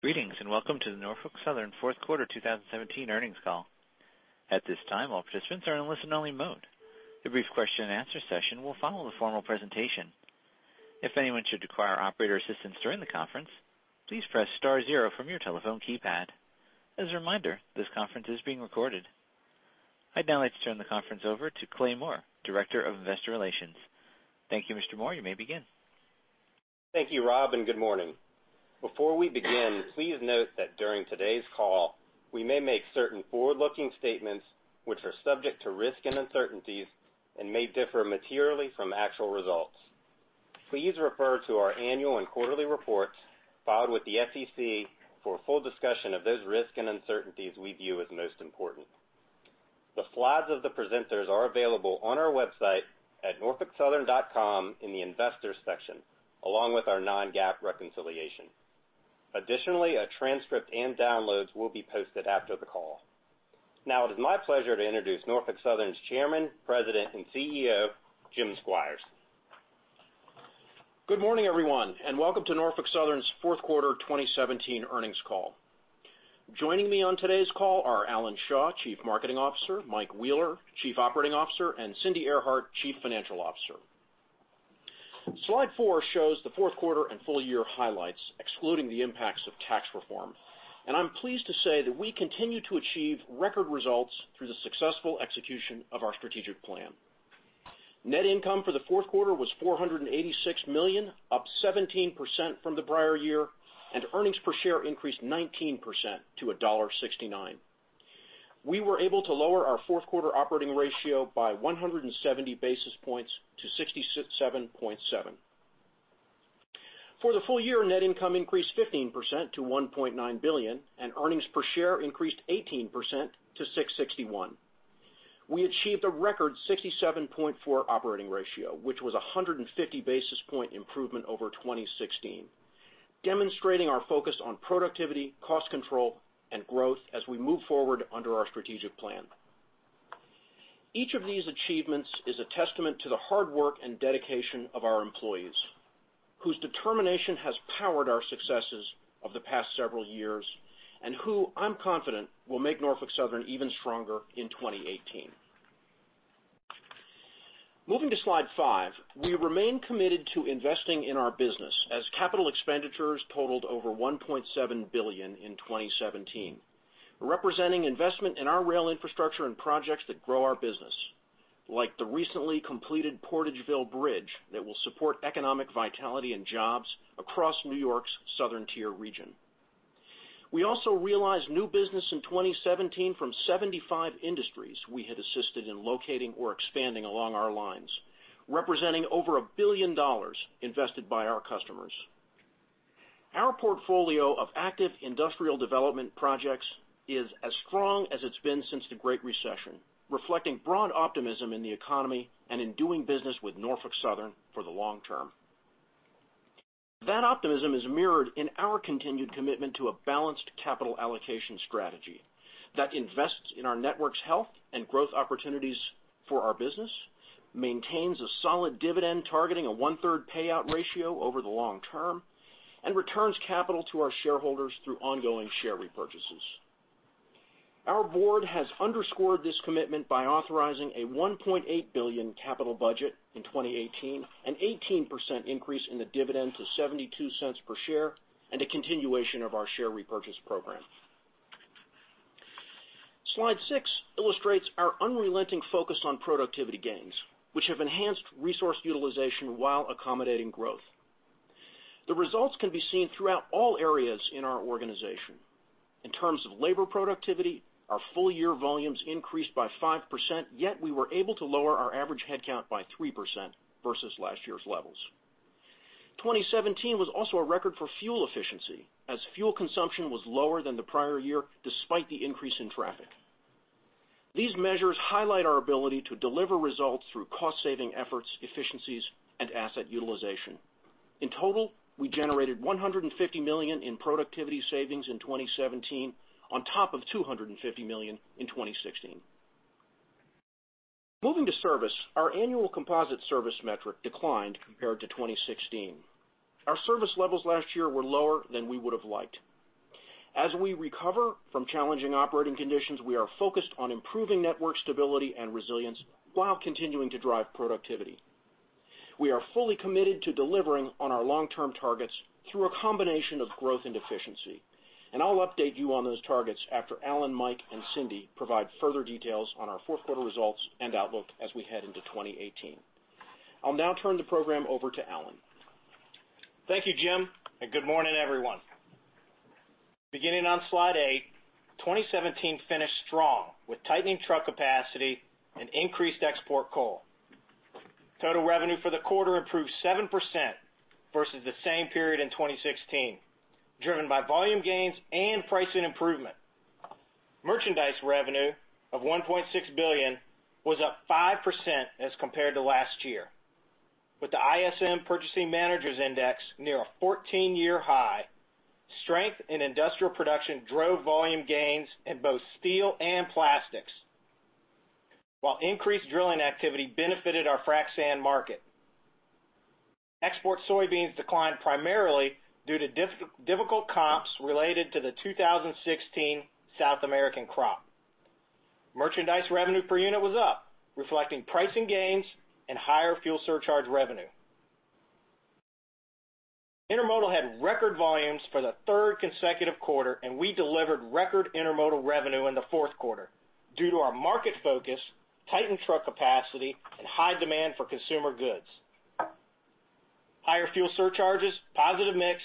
Greetings, welcome to the Norfolk Southern fourth quarter 2017 earnings call. At this time, all participants are in listen-only mode. A brief question and answer session will follow the formal presentation. If anyone should require operator assistance during the conference, please press star zero from your telephone keypad. As a reminder, this conference is being recorded. I'd now like to turn the conference over to Clay Moore, Director of Investor Relations. Thank you, Mr. Moore. You may begin. Thank you, Rob, good morning. Before we begin, please note that during today's call, we may make certain forward-looking statements which are subject to risks and uncertainties and may differ materially from actual results. Please refer to our annual and quarterly reports filed with the SEC for a full discussion of those risks and uncertainties we view as most important. The slides of the presenters are available on our website at norfolksouthern.com in the Investors section, along with our non-GAAP reconciliation. Additionally, a transcript and downloads will be posted after the call. Now it is my pleasure to introduce Norfolk Southern's Chairman, President, and CEO, Jim Squires. Good morning, everyone, welcome to Norfolk Southern's fourth quarter 2017 earnings call. Joining me on today's call are Alan Shaw, Chief Marketing Officer, Mike Wheeler, Chief Operating Officer, and Cindy Earhart, Chief Financial Officer. Slide four shows the fourth quarter and full-year highlights, excluding the impacts of tax reform. I'm pleased to say that we continue to achieve record results through the successful execution of our strategic plan. Net income for the fourth quarter was $486 million, up 17% from the prior year, and earnings per share increased 19% to $1.69. We were able to lower our fourth quarter operating ratio by 170 basis points to 67.7. For the full year, net income increased 15% to $1.9 billion, and earnings per share increased 18% to $6.61. We achieved a record 67.4 operating ratio, which was a 150-basis-point improvement over 2016, demonstrating our focus on productivity, cost control, and growth as we move forward under our strategic plan. Each of these achievements is a testament to the hard work and dedication of our employees, whose determination has powered our successes of the past several years and who I'm confident will make Norfolk Southern even stronger in 2018. Moving to slide five, we remain committed to investing in our business, as capital expenditures totaled over $1.7 billion in 2017, representing investment in our rail infrastructure and projects that grow our business, like the recently completed Portageville Bridge that will support economic vitality and jobs across New York's Southern Tier region. We also realized new business in 2017 from 75 industries we had assisted in locating or expanding along our lines, representing over $1 billion invested by our customers. Our portfolio of active industrial development projects is as strong as it's been since the Great Recession, reflecting broad optimism in the economy and in doing business with Norfolk Southern for the long term. That optimism is mirrored in our continued commitment to a balanced capital allocation strategy that invests in our network's health and growth opportunities for our business, maintains a solid dividend targeting a one-third payout ratio over the long term, and returns capital to our shareholders through ongoing share repurchases. Our board has underscored this commitment by authorizing a $1.8 billion capital budget in 2018, an 18% increase in the dividend to $0.72 per share, and a continuation of our share repurchase program. Slide six illustrates our unrelenting focus on productivity gains, which have enhanced resource utilization while accommodating growth. The results can be seen throughout all areas in our organization. In terms of labor productivity, our full-year volumes increased by 5%, yet we were able to lower our average headcount by 3% versus last year's levels. 2017 was also a record for fuel efficiency, as fuel consumption was lower than the prior year, despite the increase in traffic. These measures highlight our ability to deliver results through cost-saving efforts, efficiencies, and asset utilization. In total, we generated $150 million in productivity savings in 2017, on top of $250 million in 2016. Moving to service, our annual composite service metric declined compared to 2016. Our service levels last year were lower than we would have liked. As we recover from challenging operating conditions, we are focused on improving network stability and resilience while continuing to drive productivity. We are fully committed to delivering on our long-term targets through a combination of growth and efficiency, I'll update you on those targets after Alan, Mike, and Cindy provide further details on our fourth quarter results and outlook as we head into 2018. I'll now turn the program over to Alan. Thank you, Jim, and good morning, everyone. Beginning on slide eight, 2017 finished strong with tightening truck capacity and increased export coal. Total revenue for the quarter improved 7% versus the same period in 2016, driven by volume gains and pricing improvement. Merchandise revenue of $1.6 billion was up 5% as compared to last year. With the ISM Purchasing Managers' Index near a 14-year high, strength in industrial production drove volume gains in both steel and plastics. While increased drilling activity benefited our frac sand market. Export soybeans declined primarily due to difficult comps related to the 2016 South American crop. Merchandise revenue per unit was up, reflecting pricing gains and higher fuel surcharge revenue. Intermodal had record volumes for the third consecutive quarter, and we delivered record intermodal revenue in the fourth quarter due to our market focus, tightened truck capacity, and high demand for consumer goods. Higher fuel surcharges, positive mix,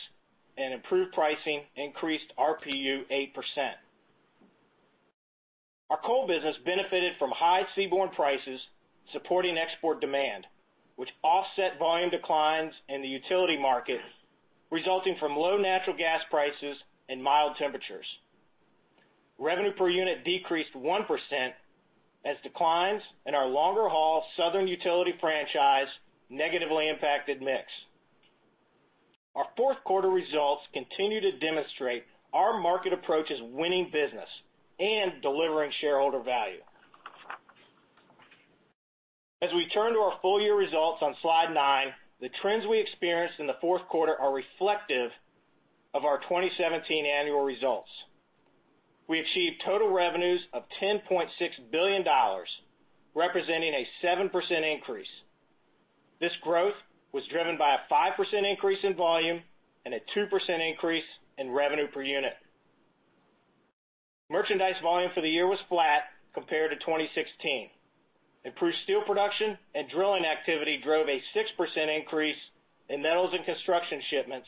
and improved pricing increased RPU 8%. Our coal business benefited from high seaborne prices supporting export demand, which offset volume declines in the utility market resulting from low natural gas prices and mild temperatures. Revenue per unit decreased 1% as declines in our longer-haul southern utility franchise negatively impacted mix. Our fourth quarter results continue to demonstrate our market approach is winning business and delivering shareholder value. As we turn to our full-year results on Slide 9, the trends we experienced in the fourth quarter are reflective of our 2017 annual results. We achieved total revenues of $10.6 billion, representing a 7% increase. This growth was driven by a 5% increase in volume and a 2% increase in revenue per unit. Merchandise volume for the year was flat compared to 2016. Improved steel production and drilling activity drove a 6% increase in metals and construction shipments,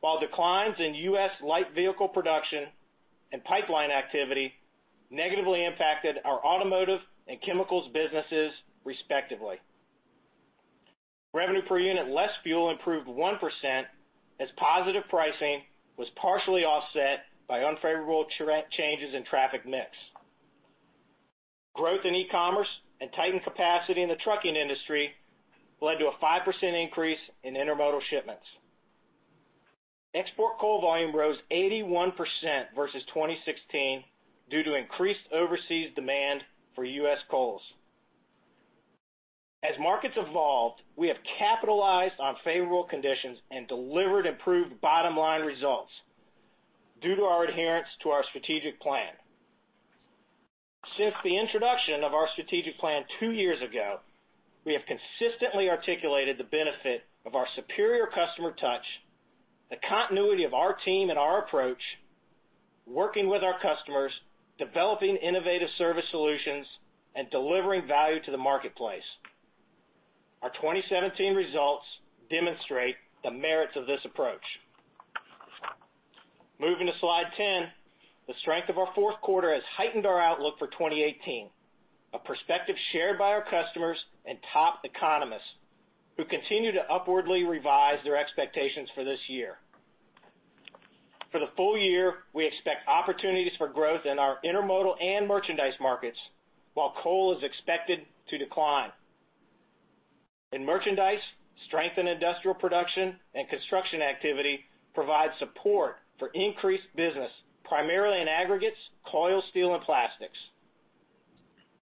while declines in U.S. light vehicle production and pipeline activity negatively impacted our automotive and chemicals businesses, respectively. Revenue per unit less fuel improved 1% as positive pricing was partially offset by unfavorable changes in traffic mix. Growth in e-commerce and tightened capacity in the trucking industry led to a 5% increase in intermodal shipments. Export coal volume rose 81% versus 2016 due to increased overseas demand for U.S. coals. As markets evolved, we have capitalized on favorable conditions and delivered improved bottom-line results due to our adherence to our strategic plan. Since the introduction of our strategic plan two years ago, we have consistently articulated the benefit of our superior customer touch, the continuity of our team and our approach, working with our customers, developing innovative service solutions, and delivering value to the marketplace. Our 2017 results demonstrate the merits of this approach. Moving to Slide 10. The strength of our fourth quarter has heightened our outlook for 2018, a perspective shared by our customers and top economists, who continue to upwardly revise their expectations for this year. For the full year, we expect opportunities for growth in our intermodal and merchandise markets, while coal is expected to decline. In merchandise, strength in industrial production and construction activity provide support for increased business, primarily in aggregates, coil steel, and plastics.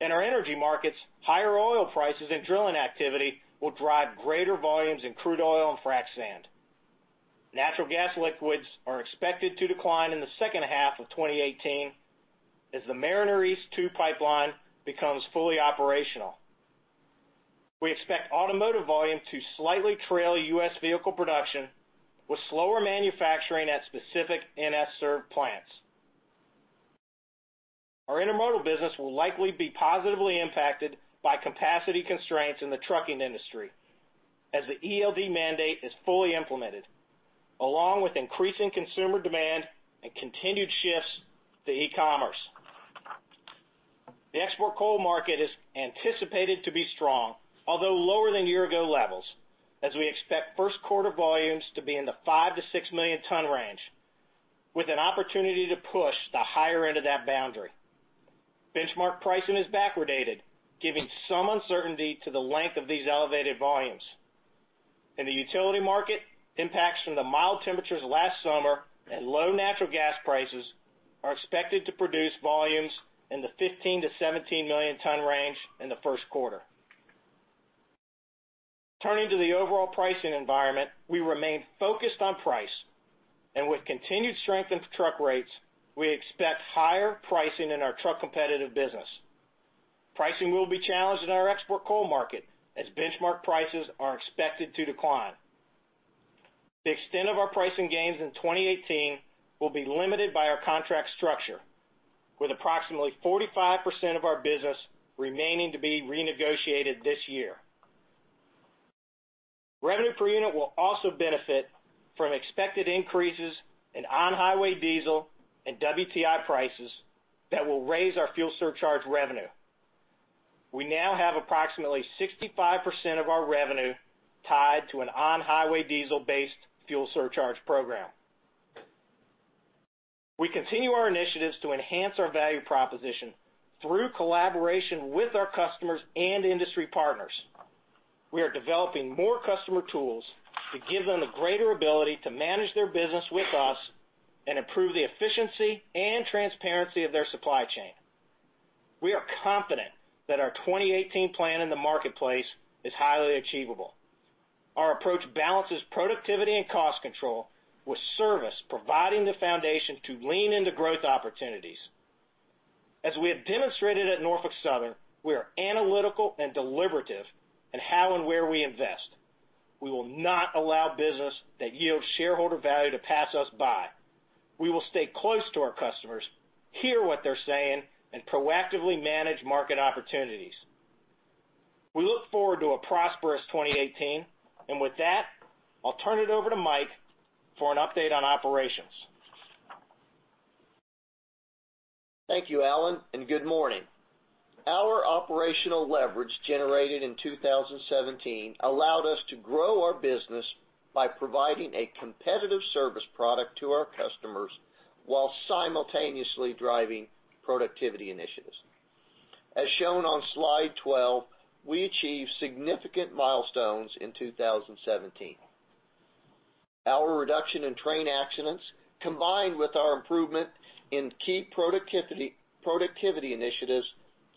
In our energy markets, higher oil prices and drilling activity will drive greater volumes in crude oil and frac sand. Natural gas liquids are expected to decline in the second half of 2018 as the Mariner East 2 pipeline becomes fully operational. We expect automotive volume to slightly trail U.S. vehicle production, with slower manufacturing at specific NS-served plants. Our intermodal business will likely be positively impacted by capacity constraints in the trucking industry as the ELD mandate is fully implemented, along with increasing consumer demand and continued shifts to e-commerce. The export coal market is anticipated to be strong, although lower than year-ago levels, as we expect first quarter volumes to be in the 5 million-6 million ton range, with an opportunity to push the higher end of that boundary. Benchmark pricing is backwardated, giving some uncertainty to the length of these elevated volumes. In the utility market, impacts from the mild temperatures last summer and low natural gas prices are expected to produce volumes in the 15 million-17 million ton range in the first quarter. Turning to the overall pricing environment, we remain focused on price, and with continued strength in truck rates, we expect higher pricing in our truck-competitive business. Pricing will be challenged in our export coal market as benchmark prices are expected to decline. The extent of our pricing gains in 2018 will be limited by our contract structure, with approximately 45% of our business remaining to be renegotiated this year. Revenue per unit will also benefit from expected increases in on-highway diesel and WTI prices that will raise our fuel surcharge revenue. We now have approximately 65% of our revenue tied to an on-highway diesel-based fuel surcharge program. We continue our initiatives to enhance our value proposition through collaboration with our customers and industry partners. We are developing more customer tools to give them the greater ability to manage their business with us and improve the efficiency and transparency of their supply chain. We are confident that our 2018 plan in the marketplace is highly achievable. Our approach balances productivity and cost control with service, providing the foundation to lean into growth opportunities. As we have demonstrated at Norfolk Southern, we are analytical and deliberative in how and where we invest. We will not allow business that yields shareholder value to pass us by. We will stay close to our customers, hear what they're saying, and proactively manage market opportunities. We look forward to a prosperous 2018. With that, I'll turn it over to Mike for an update on operations. Thank you, Alan. Good morning. Our operational leverage generated in 2017 allowed us to grow our business by providing a competitive service product to our customers while simultaneously driving productivity initiatives. As shown on slide 12, we achieved significant milestones in 2017. Our reduction in train accidents, combined with our improvement in key productivity initiatives,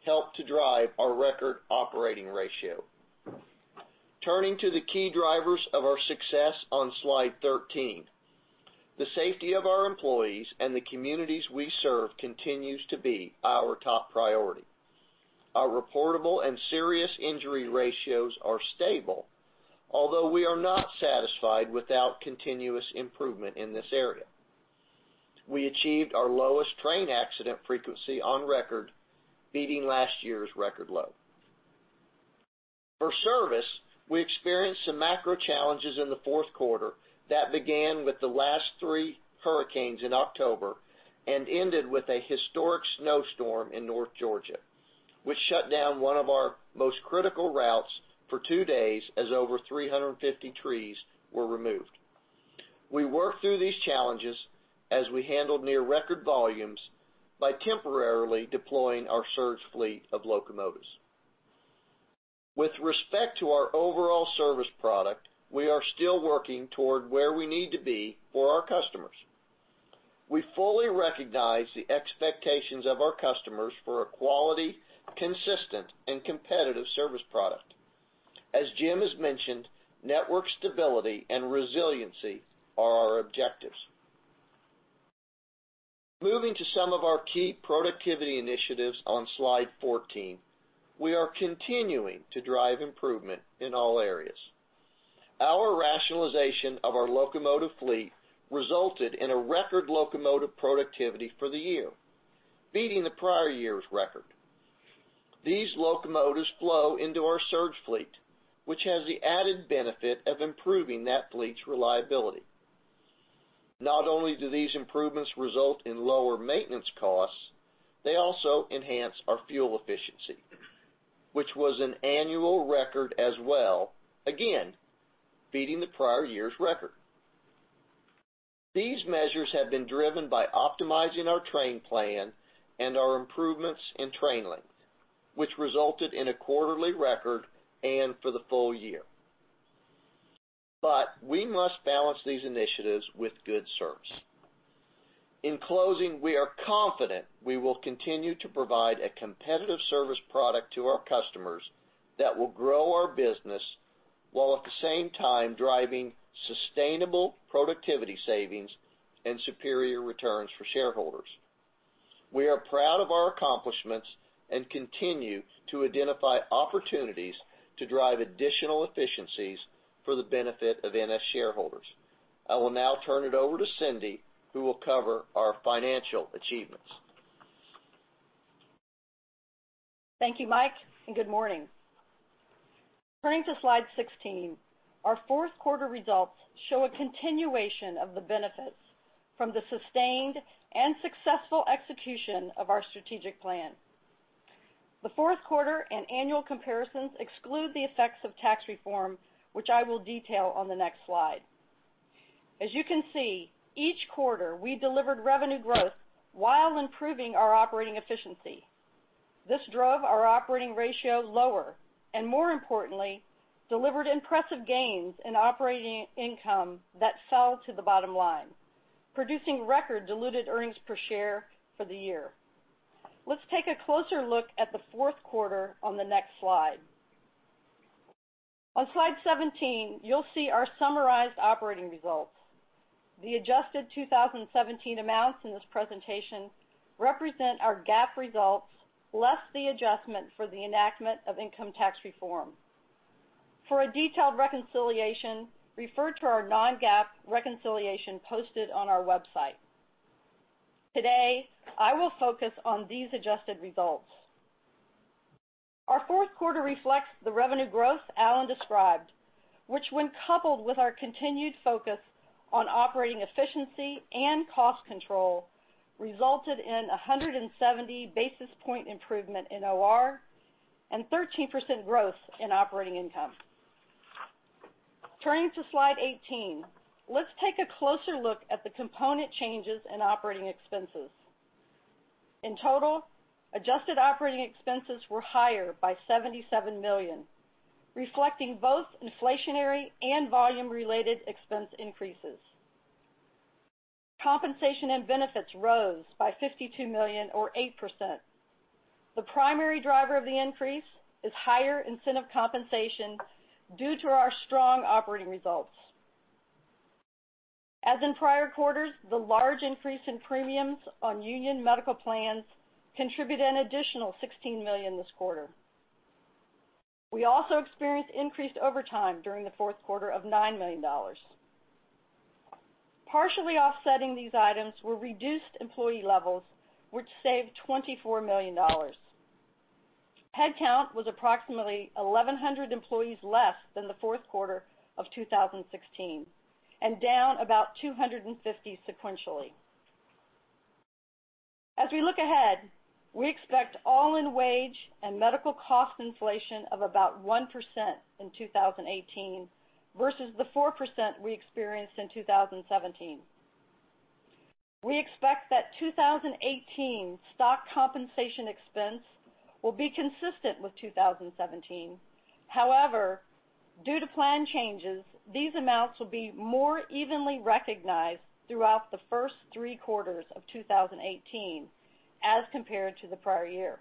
helped to drive our record operating ratio. Turning to the key drivers of our success on Slide 13. The safety of our employees and the communities we serve continues to be our top priority. Our reportable and serious injury ratios are stable, although we are not satisfied without continuous improvement in this area. We achieved our lowest train accident frequency on record, beating last year's record low. For service, we experienced some macro challenges in the fourth quarter that began with the last three hurricanes in October and ended with a historic snowstorm in North Georgia, which shut down one of our most critical routes for two days as over 350 trees were removed. We worked through these challenges as we handled near record volumes by temporarily deploying our surge fleet of locomotives. With respect to our overall service product, we are still working toward where we need to be for our customers. We fully recognize the expectations of our customers for a quality, consistent, and competitive service product. As Jim has mentioned, network stability and resiliency are our objectives. Moving to some of our key productivity initiatives on Slide 14, we are continuing to drive improvement in all areas. Our rationalization of our locomotive fleet resulted in a record locomotive productivity for the year, beating the prior year's record. These locomotives flow into our surge fleet, which has the added benefit of improving that fleet's reliability. Not only do these improvements result in lower maintenance costs, they also enhance our fuel efficiency, which was an annual record as well, again, beating the prior year's record. These measures have been driven by optimizing our train plan and our improvements in train length, which resulted in a quarterly record and for the full year. We must balance these initiatives with good service. In closing, we are confident we will continue to provide a competitive service product to our customers that will grow our business while at the same time driving sustainable productivity savings and superior returns for shareholders. We are proud of our accomplishments and continue to identify opportunities to drive additional efficiencies for the benefit of NS shareholders. I will now turn it over to Cindy, who will cover our financial achievements. Thank you, Mike, and good morning. Turning to Slide 16, our fourth quarter results show a continuation of the benefits from the sustained and successful execution of our strategic plan. The fourth quarter and annual comparisons exclude the effects of tax reform, which I will detail on the next slide. As you can see, each quarter, we delivered revenue growth while improving our operating efficiency. This drove our operating ratio lower and, more importantly, delivered impressive gains in operating income that fell to the bottom line, producing record diluted earnings per share for the year. Let's take a closer look at the fourth quarter on the next slide. On Slide 17, you'll see our summarized operating results. The adjusted 2017 amounts in this presentation represent our GAAP results, less the adjustment for the enactment of income tax reform. For a detailed reconciliation, refer to our non-GAAP reconciliation posted on our website. Today, I will focus on these adjusted results. Our fourth quarter reflects the revenue growth Alan described, which when coupled with our continued focus on operating efficiency and cost control, resulted in 170 basis point improvement in OR and 13% growth in operating income. Turning to Slide 18, let's take a closer look at the component changes in operating expenses. In total, adjusted operating expenses were higher by $77 million, reflecting both inflationary and volume-related expense increases. Compensation and benefits rose by $52 million or 8%. The primary driver of the increase is higher incentive compensation due to our strong operating results. As in prior quarters, the large increase in premiums on union medical plans contributed an additional $16 million this quarter. We also experienced increased overtime during the fourth quarter of $9 million. Partially offsetting these items were reduced employee levels, which saved $24 million. Headcount was approximately 1,100 employees less than the fourth quarter of 2016, and down about 250 sequentially. As we look ahead, we expect all-in wage and medical cost inflation of about 1% in 2018 versus the 4% we experienced in 2017. We expect that 2018 stock compensation expense will be consistent with 2017. However, due to plan changes, these amounts will be more evenly recognized throughout the first three quarters of 2018 as compared to the prior year.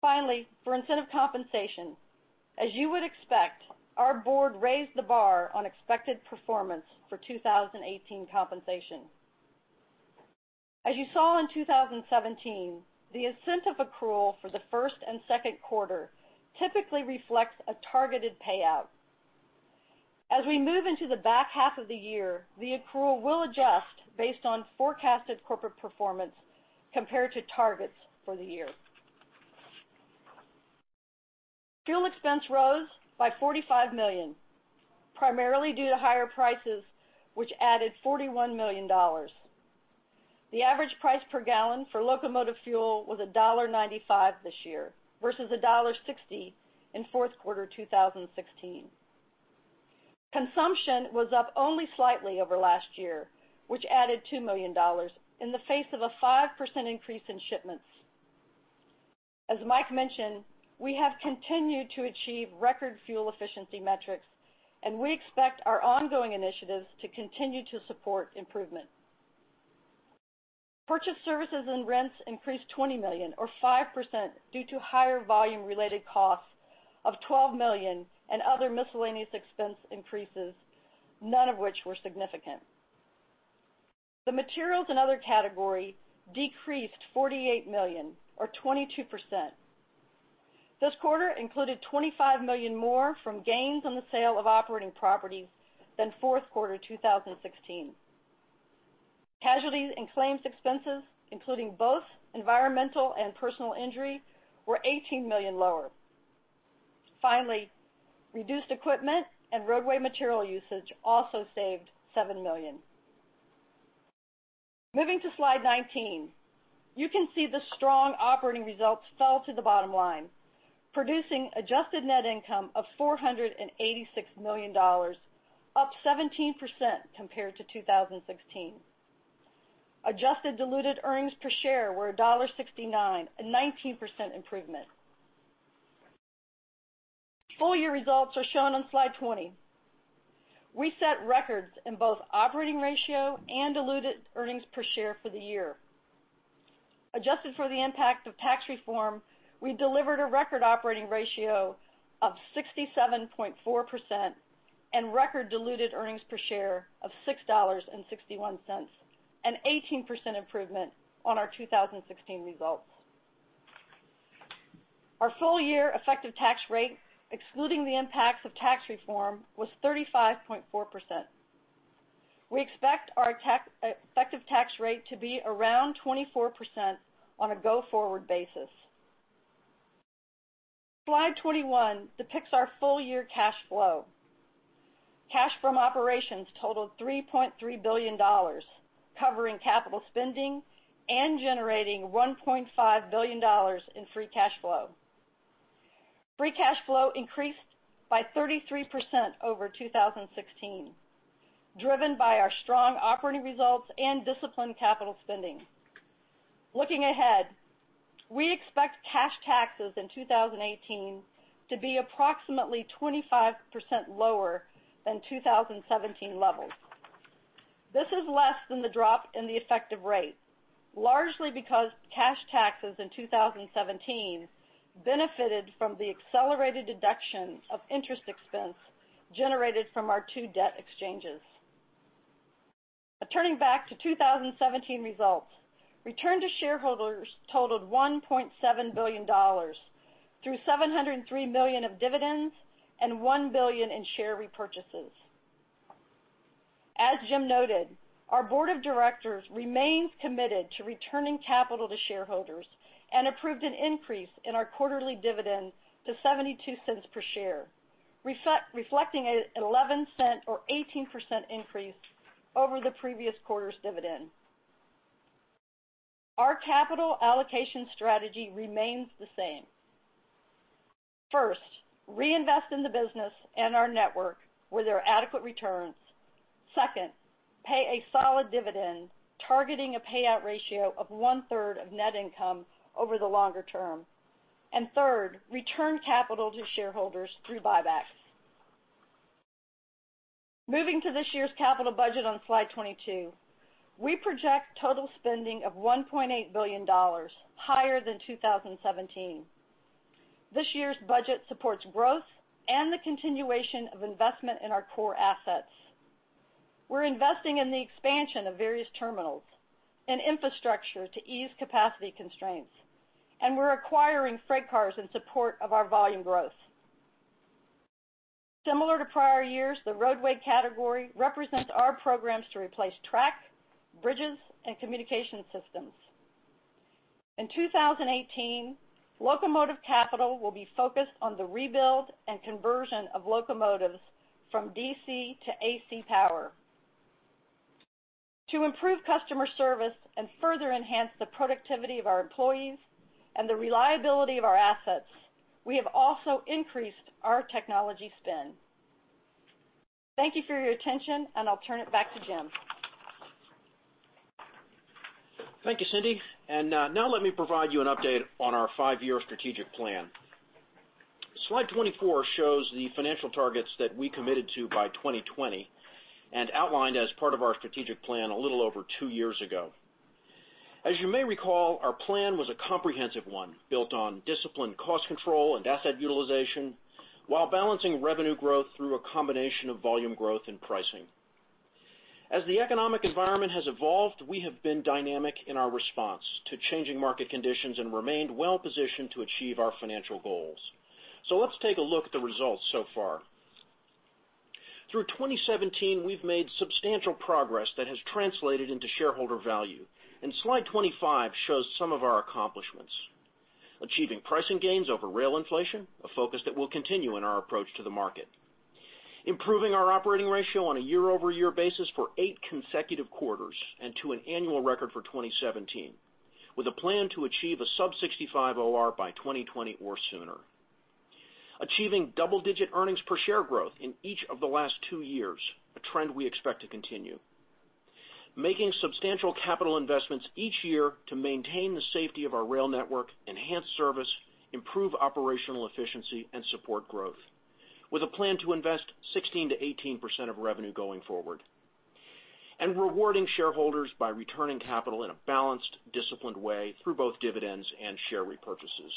Finally, for incentive compensation, as you would expect, our board raised the bar on expected performance for 2018 compensation. As you saw in 2017, the incentive accrual for the first and second quarter typically reflects a targeted payout. As we move into the back half of the year, the accrual will adjust based on forecasted corporate performance compared to targets for the year. Fuel expense rose by $45 million, primarily due to higher prices, which added $41 million. The average price per gallon for locomotive fuel was $1.95 this year versus $1.60 in fourth quarter 2016. Consumption was up only slightly over last year, which added $2 million in the face of a 5% increase in shipments. As Mike mentioned, we have continued to achieve record fuel efficiency metrics, and we expect our ongoing initiatives to continue to support improvement. Purchased services and rents increased $20 million or 5% due to higher volume-related costs of $12 million and other miscellaneous expense increases, none of which were significant. The materials and other category decreased $48 million or 22%. This quarter included $25 million more from gains on the sale of operating properties than fourth quarter 2016. Casualties and claims expenses, including both environmental and personal injury, were $18 million lower. Finally, reduced equipment and roadway material usage also saved $7 million. Moving to Slide 19. You can see the strong operating results fell to the bottom line, producing adjusted net income of $486 million, up 17% compared to 2016. Adjusted diluted earnings per share were $1.69, a 19% improvement. Full-year results are shown on Slide 20. We set records in both operating ratio and diluted earnings per share for the year. Adjusted for the impact of tax reform, we delivered a record operating ratio of 67.4% and record diluted earnings per share of $6.61, an 18% improvement on our 2016 results. Our full-year effective tax rate, excluding the impacts of tax reform, was 35.4%. We expect our effective tax rate to be around 24% on a go-forward basis. Slide 21 depicts our full-year cash flow. Cash from operations totaled $3.3 billion, covering capital spending and generating $1.5 billion in free cash flow. Free cash flow increased by 33% over 2016, driven by our strong operating results and disciplined capital spending. Looking ahead, we expect cash taxes in 2018 to be approximately 25% lower than 2017 levels. This is less than the drop in the effective rate, largely because cash taxes in 2017 benefited from the accelerated deduction of interest expense generated from our two debt exchanges. Turning back to 2017 results, return to shareholders totaled $1.7 billion, through $703 million of dividends and $1 billion in share repurchases. As Jim noted, our board of directors remains committed to returning capital to shareholders and approved an increase in our quarterly dividend to $0.72 per share, reflecting an $0.11 or 18% increase over the previous quarter's dividend. Our capital allocation strategy remains the same. First, reinvest in the business and our network where there are adequate returns. Second, pay a solid dividend, targeting a payout ratio of one-third of net income over the longer term. Third, return capital to shareholders through buybacks. Moving to this year's capital budget on Slide 22. We project total spending of $1.8 billion, higher than 2017. This year's budget supports growth and the continuation of investment in our core assets. We're investing in the expansion of various terminals and infrastructure to ease capacity constraints, and we're acquiring freight cars in support of our volume growth. Similar to prior years, the roadway category represents our programs to replace tracks, bridges, and communication systems. In 2018, locomotive capital will be focused on the rebuild and conversion of locomotives from DC to AC power. To improve customer service and further enhance the productivity of our employees and the reliability of our assets, we have also increased our technology spend. Thank you for your attention. I'll turn it back to Jim. Thank you, Cindy. Now let me provide you an update on our five-year strategic plan. Slide 24 shows the financial targets that we committed to by 2020 and outlined as part of our strategic plan a little over two years ago. As you may recall, our plan was a comprehensive one, built on disciplined cost control and asset utilization while balancing revenue growth through a combination of volume growth and pricing. As the economic environment has evolved, we have been dynamic in our response to changing market conditions and remained well-positioned to achieve our financial goals. Let's take a look at the results so far. Through 2017, we've made substantial progress that has translated into shareholder value. Slide 25 shows some of our accomplishments. Achieving pricing gains over rail inflation, a focus that will continue in our approach to the market. Improving our operating ratio on a year-over-year basis for eight consecutive quarters and to an annual record for 2017, with a plan to achieve a sub-65 OR by 2020 or sooner. Achieving double-digit earnings per share growth in each of the last two years, a trend we expect to continue. Making substantial capital investments each year to maintain the safety of our rail network, enhance service, improve operational efficiency, and support growth with a plan to invest 16%-18% of revenue going forward. Rewarding shareholders by returning capital in a balanced, disciplined way through both dividends and share repurchases.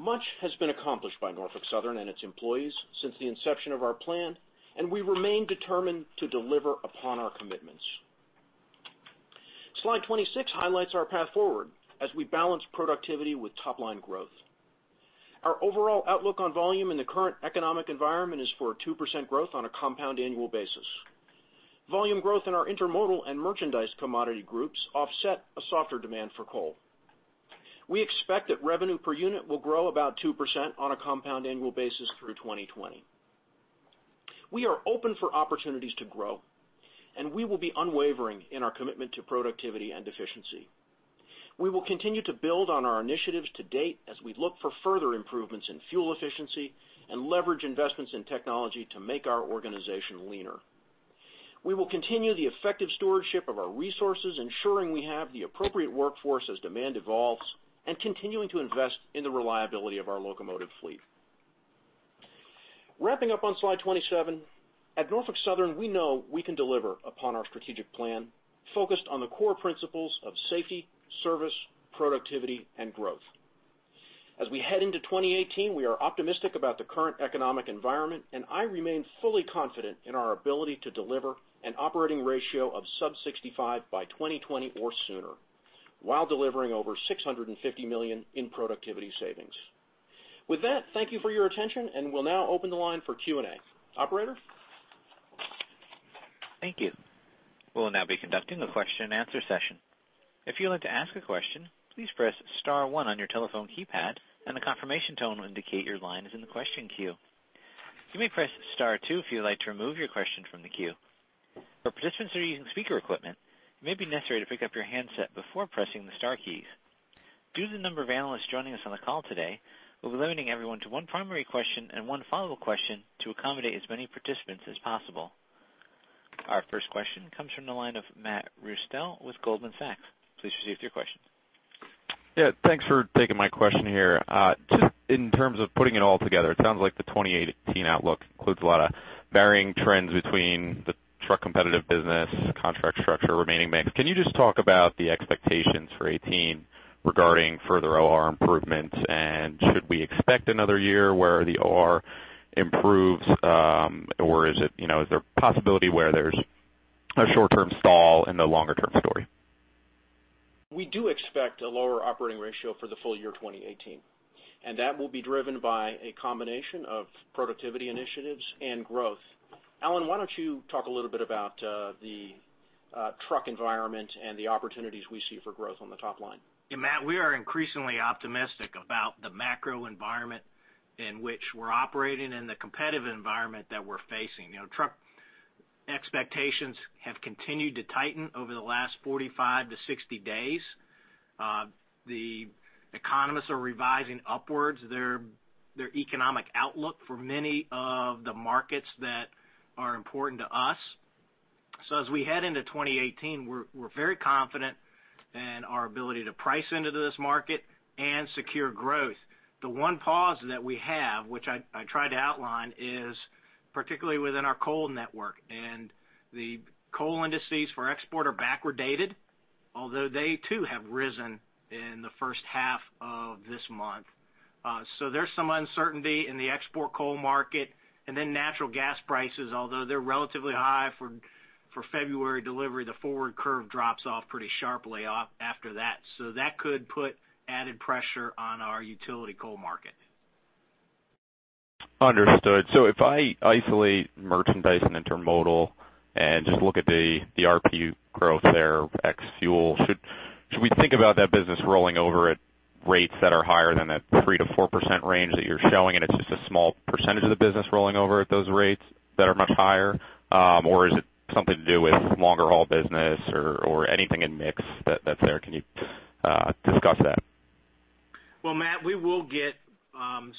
Much has been accomplished by Norfolk Southern and its employees since the inception of our plan, and we remain determined to deliver upon our commitments. Slide 26 highlights our path forward as we balance productivity with top-line growth. Our overall outlook on volume in the current economic environment is for a 2% growth on a compound annual basis. Volume growth in our intermodal and merchandise commodity groups offset a softer demand for coal. We expect that revenue per unit will grow about 2% on a compound annual basis through 2020. We are open for opportunities to grow. We will be unwavering in our commitment to productivity and efficiency. We will continue to build on our initiatives to date as we look for further improvements in fuel efficiency and leverage investments in technology to make our organization leaner. We will continue the effective stewardship of our resources, ensuring we have the appropriate workforce as demand evolves, continuing to invest in the reliability of our locomotive fleet. Wrapping up on Slide 27, at Norfolk Southern, we know we can deliver upon our strategic plan focused on the core principles of safety, service, productivity, and growth. As we head into 2018, we are optimistic about the current economic environment. I remain fully confident in our ability to deliver an operating ratio of sub 65 by 2020 or sooner, while delivering over $650 million in productivity savings. With that, thank you for your attention. We'll now open the line for Q&A. Operator? Thank you. We'll now be conducting a question and answer session. If you'd like to ask a question, please press *1 on your telephone keypad. A confirmation tone will indicate your line is in the question queue. You may press *2 if you'd like to remove your question from the queue. For participants who are using speaker equipment, it may be necessary to pick up your handset before pressing the star keys. Due to the number of analysts joining us on the call today, we'll be limiting everyone to one primary question and one follow-up question to accommodate as many participants as possible. Our first question comes from the line of Matt Rostell with Goldman Sachs. Please proceed with your question. Yeah. Thanks for taking my question here. Just in terms of putting it all together, it sounds like the 2018 outlook includes a lot of varying trends between the truck competitive business, contract structure remaining mixed. Can you just talk about the expectations for 2018 regarding further OR improvements? Should we expect another year where the OR improves, or is there a possibility where there's a short-term stall in the longer-term story? We do expect a lower operating ratio for the full year 2018. That will be driven by a combination of productivity initiatives and growth. Alan, why don't you talk a little bit about the truck environment and the opportunities we see for growth on the top line? Matt, we are increasingly optimistic about the macro environment in which we're operating and the competitive environment that we're facing. Truck expectations have continued to tighten over the last 45 to 60 days. The economists are revising upwards their economic outlook for many of the markets that are important to us. As we head into 2018, we're very confident in our ability to price into this market and secure growth. The one pause that we have, which I tried to outline, is particularly within our coal network. The coal indices for export are backwardated, although they too have risen in the first half of this month. There's some uncertainty in the export coal market. Then natural gas prices, although they're relatively high for February delivery, the forward curve drops off pretty sharply after that. That could put added pressure on our utility coal market. Understood. If I isolate merchandise and intermodal and just look at the RPU growth there, ex fuel, should we think about that business rolling over at rates that are higher than that 3%-4% range that you're showing? It's just a small percentage of the business rolling over at those rates that are much higher? Is it something to do with longer haul business or anything in mix that's there? Can you discuss that? Well, Matt, we will get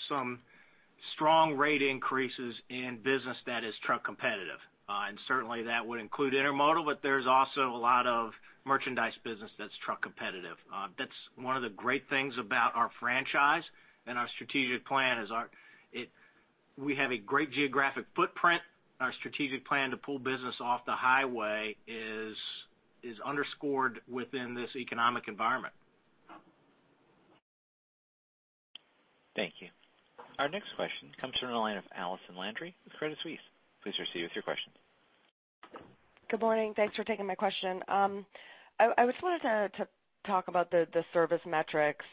some strong rate increases in business that is truck competitive. Certainly, that would include intermodal, there's also a lot of merchandise business that's truck competitive. That's one of the great things about our franchise and our strategic plan is we have a great geographic footprint. Our strategic plan to pull business off the highway is underscored within this economic environment. Thank you. Our next question comes from the line of Allison Landry with Credit Suisse. Please proceed with your question. Good morning. Thanks for taking my question. I just wanted to talk about the service metrics.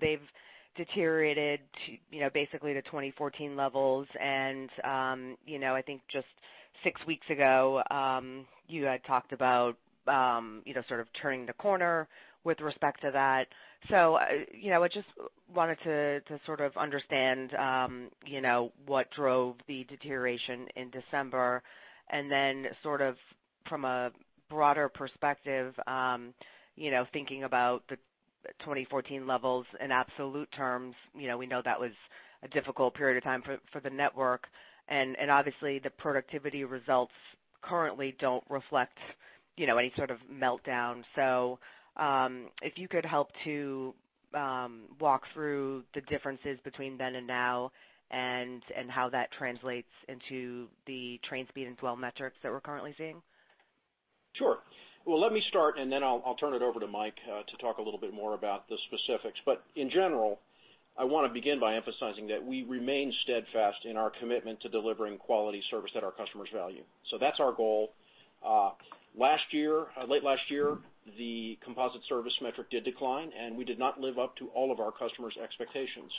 They've deteriorated basically to 2014 levels, I think just 6 weeks ago, you had talked about sort of turning the corner with respect to that. I just wanted to sort of understand what drove the deterioration in December, and then sort of from a broader perspective, thinking about the 2014 levels in absolute terms, we know that was a difficult period of time for the network, and obviously, the productivity results currently don't reflect any sort of meltdown. If you could help to walk through the differences between then and now and how that translates into the train speed and dwell metrics that we're currently seeing. Sure. Well, let me start, then I'll turn it over to Mike to talk a little bit more about the specifics. In general, I want to begin by emphasizing that we remain steadfast in our commitment to delivering quality service that our customers value. That's our goal. Late last year, the composite service metric did decline, we did not live up to all of our customers' expectations.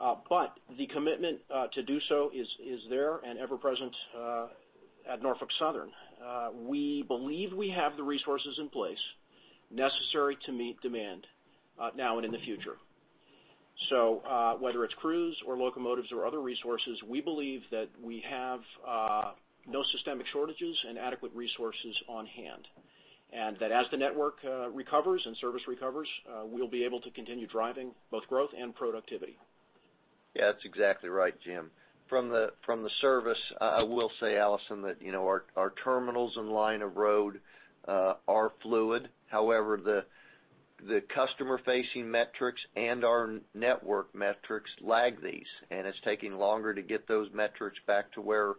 The commitment to do so is there and ever present at Norfolk Southern. We believe we have the resources in place necessary to meet demand now and in the future. Whether it's crews or locomotives or other resources, we believe that we have no systemic shortages and adequate resources on hand, that as the network recovers and service recovers, we'll be able to continue driving both growth and productivity. That's exactly right, Jim. From the service, I will say, Allison, that our terminals and line of road are fluid. However, the customer-facing metrics and our network metrics lag these, and it's taking longer to get those metrics back to where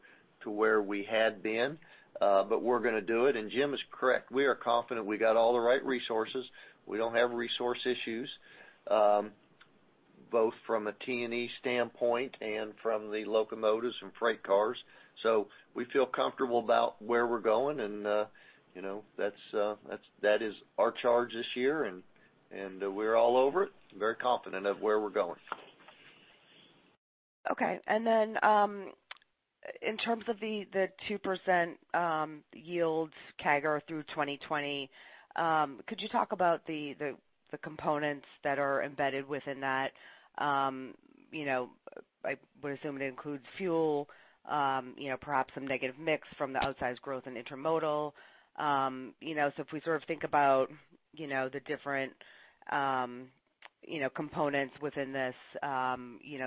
we had been, but we're going to do it. Jim is correct, we are confident we got all the right resources. We don't have resource issues, both from a T&E standpoint and from the locomotives and freight cars. We feel comfortable about where we're going and that is our charge this year, and we're all over it, very confident of where we're going. Okay. In terms of the 2% yields CAGR through 2020, could you talk about the components that are embedded within that? I would assume it includes fuel, perhaps some negative mix from the outsized growth in intermodal. If we sort of think about the different components within this,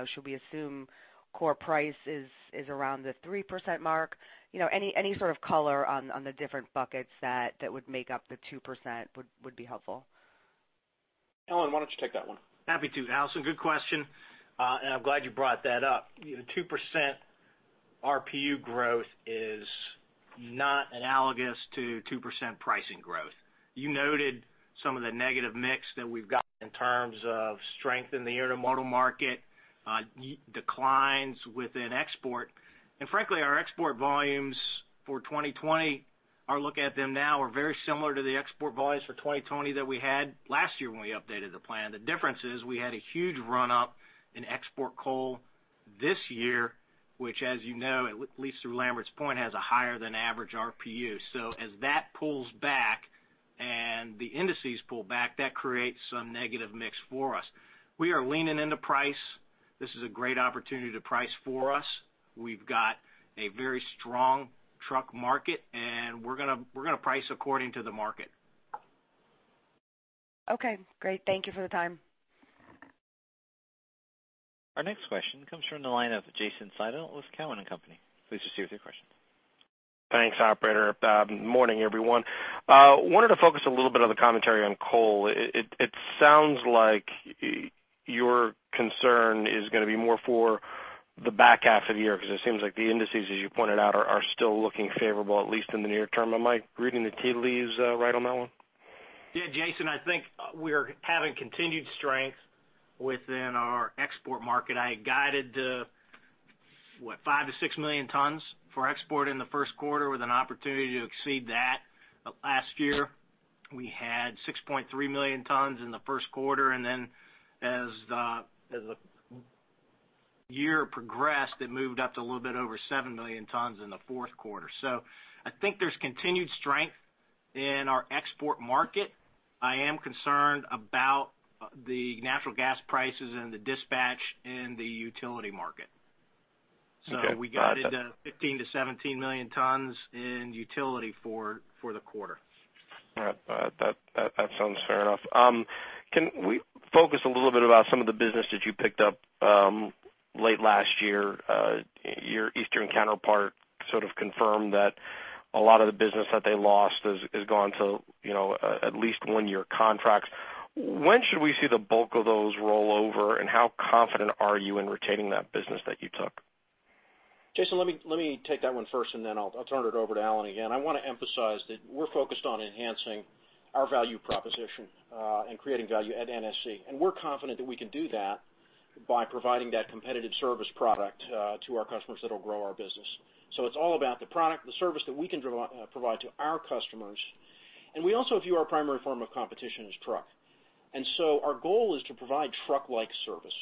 should we assume core price is around the 3% mark? Any sort of color on the different buckets that would make up the 2% would be helpful. Alan, why don't you take that one? Happy to, Allison. Good question, I'm glad you brought that up. 2% RPU growth is not analogous to 2% pricing growth. You noted some of the negative mix that we've got in terms of strength in the intermodal market, declines within export. Frankly, our export volumes for 2020 are looking at them now are very similar to the export volumes for 2020 that we had last year when we updated the plan. The difference is we had a huge run-up in export coal this year, which as you know, at least through Lamberts Point, has a higher than average RPU. As that pulls back and the indices pull back, that creates some negative mix for us. We are leaning into price. This is a great opportunity to price for us. We've got a very strong truck market, we're going to price according to the market. Okay, great. Thank you for the time. Our next question comes from the line of Jason Seidl with Cowen and Company. Please proceed with your question. Thanks, operator. Morning, everyone. Wanted to focus a little bit on the commentary on coal. It sounds like your concern is going to be more for the back half of the year, it seems like the indices, as you pointed out, are still looking favorable, at least in the near term. Am I reading the tea leaves right on that one? Yeah, Jason, I think we're having continued strength within our export market. I had guided, what, five to six million tons for export in the first quarter with an opportunity to exceed that. Last year, we had 6.3 million tons in the first quarter, and then as the year progressed, it moved up to a little bit over seven million tons in the fourth quarter. I think there's continued strength in our export market. I am concerned about the natural gas prices and the dispatch in the utility market. Okay. We guided 15 million-17 million tons in utility for the quarter. All right. That sounds fair enough. Can we focus a little bit about some of the business that you picked up late last year? Your Eastern counterpart sort of confirmed that a lot of the business that they lost has gone to at least one-year contracts. When should we see the bulk of those roll over, and how confident are you in retaining that business that you took? Jason, let me take that one first, then I'll turn it over to Alan again. I want to emphasize that we're focused on enhancing our value proposition and creating value at NSC. We're confident that we can do that by providing that competitive service product to our customers that'll grow our business. It's all about the product, the service that we can provide to our customers. We also view our primary form of competition as truck. Our goal is to provide truck-like service.